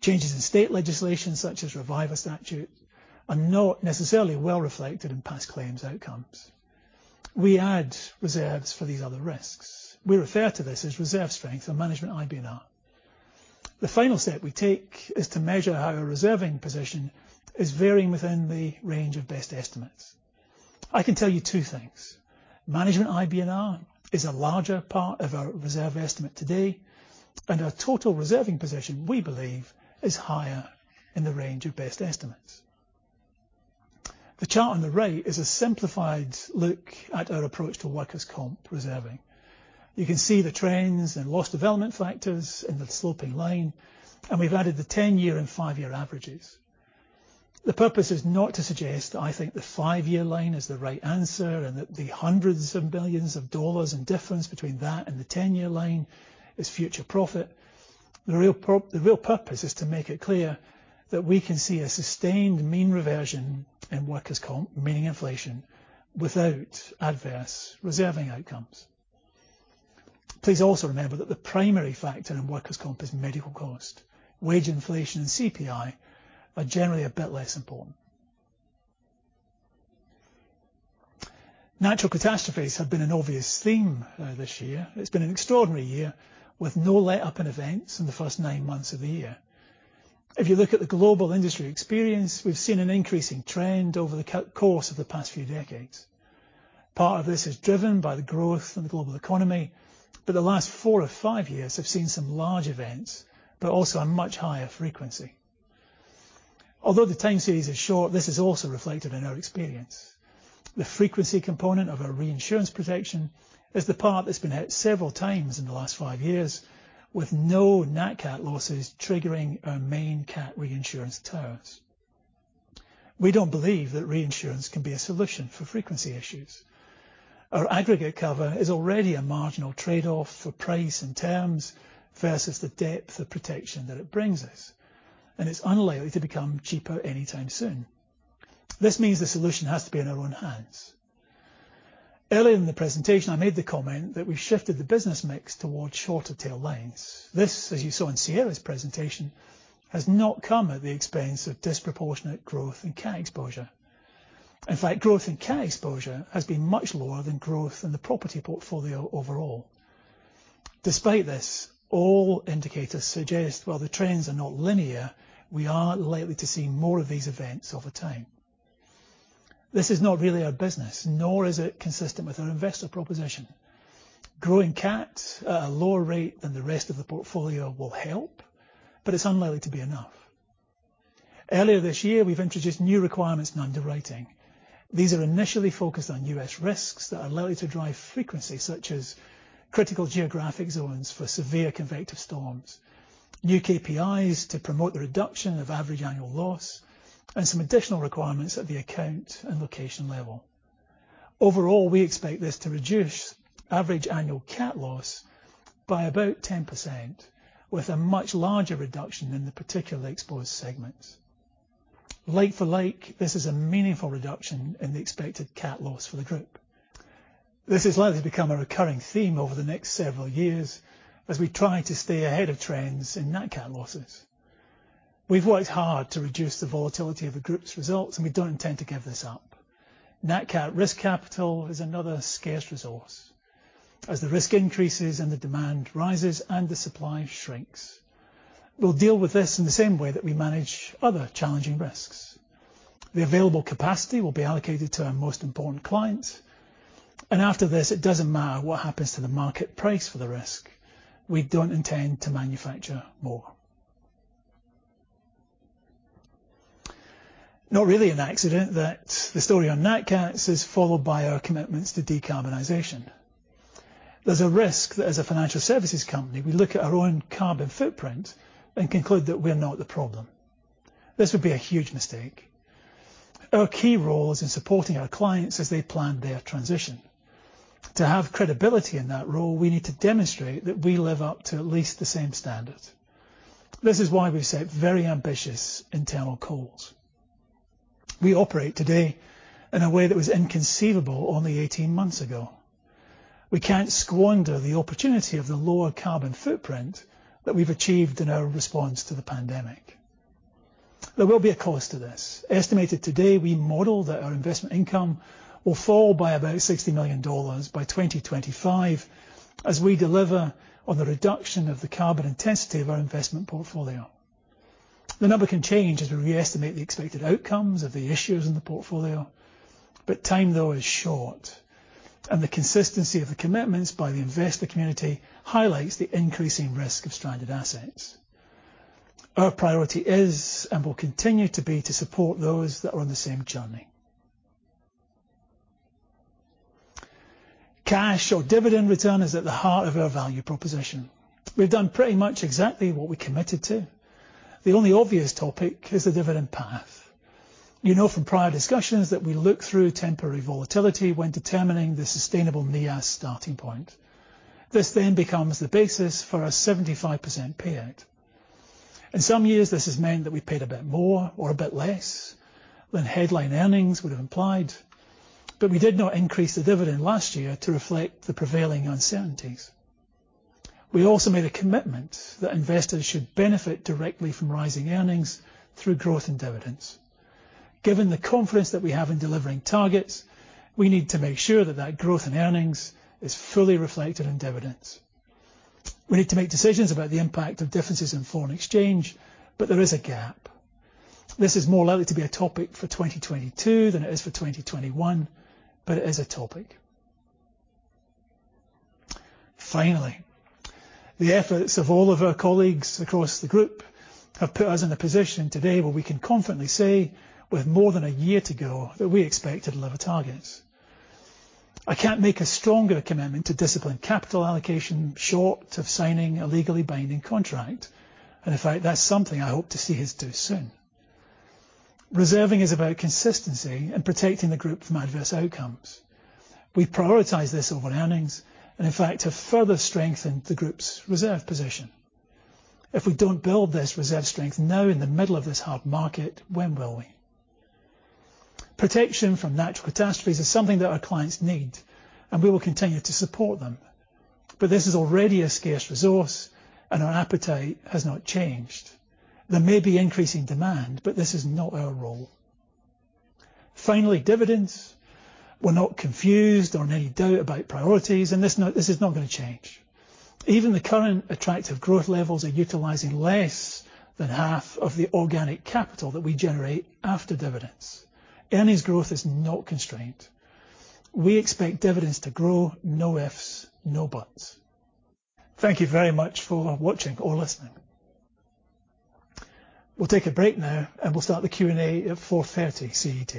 changes in state legislation such as Reviver statute, are not necessarily well reflected in past claims outcomes. We add reserves for these other risks. We refer to this as reserve strength or management IBNR. The final step we take is to measure how our reserving position is varying within the range of best estimates. I can tell you two things. Management IBNR is a larger part of our reserve estimate today, and our total reserving position, we believe, is higher in the range of best estimates. The chart on the right is a simplified look at our approach to workers' comp reserving. You can see the trends and loss development factors in the sloping line, and we've added the 10-year and five-year averages. The purpose is not to suggest that I think the five-year line is the right answer and that the hundreds and billions of dollars in difference between that and the ten-year line is future profit. The real purpose is to make it clear that we can see a sustained mean reversion in workers' comp, meaning inflation, without adverse reserving outcomes. Please also remember that the primary factor in workers' comp is medical cost. Wage inflation and CPI are generally a bit less important. Natural catastrophes have been an obvious theme this year. It's been an extraordinary year with no letup in events in the first nine months of the year. If you look at the global industry experience, we've seen an increasing trend over the course of the past few decades. Part of this is driven by the growth in the global economy, but the last four or five years have seen some large events, but also a much higher frequency. Although the time series is short, this is also reflected in our experience. The frequency component of our reinsurance protection is the part that's been hit several times in the last five years, with no Nat Cat losses triggering our main Cat reinsurance terms. We don't believe that reinsurance can be a solution for frequency issues. Our aggregate cover is already a marginal trade-off for price and terms versus the depth of protection that it brings us, and it's unlikely to become cheaper anytime soon. This means the solution has to be in our own hands. Earlier in the presentation, I made the comment that we've shifted the business mix towards shorter tail lines. This, as you saw in Sierra's presentation, has not come at the expense of disproportionate growth in cat exposure. In fact, growth in cat exposure has been much lower than growth in the property portfolio overall. Despite this, all indicators suggest, while the trends are not linear, we are likely to see more of these events over time. This is not really our business, nor is it consistent with our investor proposition. Growing cats at a lower rate than the rest of the portfolio will help, but it's unlikely to be enough. Earlier this year, we've introduced new requirements in underwriting. These are initially focused on U.S. risks that are likely to drive frequency, such as critical geographic zones for severe convective storms, new KPIs to promote the reduction of average annual loss, and some additional requirements at the account and location level. Overall, we expect this to reduce average annual Nat Cat loss by about 10%, with a much larger reduction in the particularly exposed segments. like-for-like, this is a meaningful reduction in the expected Nat Cat loss for the group. This is likely to become a recurring theme over the next several years as we try to stay ahead of trends in Nat Cat losses. We've worked hard to reduce the volatility of the group's results, and we don't intend to give this up. Nat Cat risk capital is another scarce resource. As the risk increases and the demand rises and the supply shrinks, we'll deal with this in the same way that we manage other challenging risks. The available capacity will be allocated to our most important clients, and after this, it doesn't matter what happens to the market price for the risk. We don't intend to manufacture more. Not really an accident that the story on Nat Cats is followed by our commitments to decarbonization. There's a risk that as a financial services company, we look at our own carbon footprint and conclude that we are not the problem. This would be a huge mistake. Our key role is in supporting our clients as they plan their transition. To have credibility in that role, we need to demonstrate that we live up to at least the same standard. This is why we set very ambitious internal goals. We operate today in a way that was inconceivable only eighteen months ago. We can't squander the opportunity of the lower carbon footprint that we've achieved in our response to the pandemic. There will be a cost to this. estimated today, we model that our investment income will fall by about $60 million by 2025 as we deliver on the reduction of the carbon intensity of our investment portfolio. The number can change as we re-estimate the expected outcomes of the issues in the portfolio. Time, though, is short, and the consistency of the commitments by the investor community highlights the increasing risk of stranded assets. Our priority is, and will continue to be, to support those that are on the same journey. Cash or dividend return is at the heart of our value proposition. We've done pretty much exactly what we committed to. The only obvious topic is the dividend path. You know from prior discussions that we look through temporary volatility when determining the sustainable NIAS starting point. This then becomes the basis for a 75% payout. In some years, this has meant that we paid a bit more or a bit less than headline earnings would have implied, but we did not increase the dividend last year to reflect the prevailing uncertainties. We also made a commitment that investors should benefit directly from rising earnings through growth and dividends. Given the confidence that we have in delivering targets, we need to make sure that that growth in earnings is fully reflected in dividends. We need to make decisions about the impact of differences in foreign exchange, but there is a gap. This is more likely to be a topic for 2022 than it is for 2021, but it is a topic. Finally, the efforts of all of our colleagues across the group have put us in a position today where we can confidently say with more than a year to go, that we expect to deliver targets. I can't make a stronger commitment to discipline capital allocation short of signing a legally binding contract, and in fact, that's something I hope to see us do soon. Reserving is about consistency and protecting the group from adverse outcomes. We prioritize this over earnings and in fact have further strengthened the group's reserve position. If we don't build this reserve strength now in the middle of this hard market, when will we? Protection from natural catastrophes is something that our clients need, and we will continue to support them. But this is already a scarce resource and our appetite has not changed. There may be increasing demand, but this is not our role. Finally, dividends. We're not confused or in any doubt about priorities, and this is not gonna change. Even the current attractive growth levels are utilizing less than half of the organic capital that we generate after dividends. Earnings growth is not constrained. We expect dividends to grow, no ifs, no buts. Thank you very much for watching or listening. We'll take a break now, and we'll start the Q&A at 4:30 CET.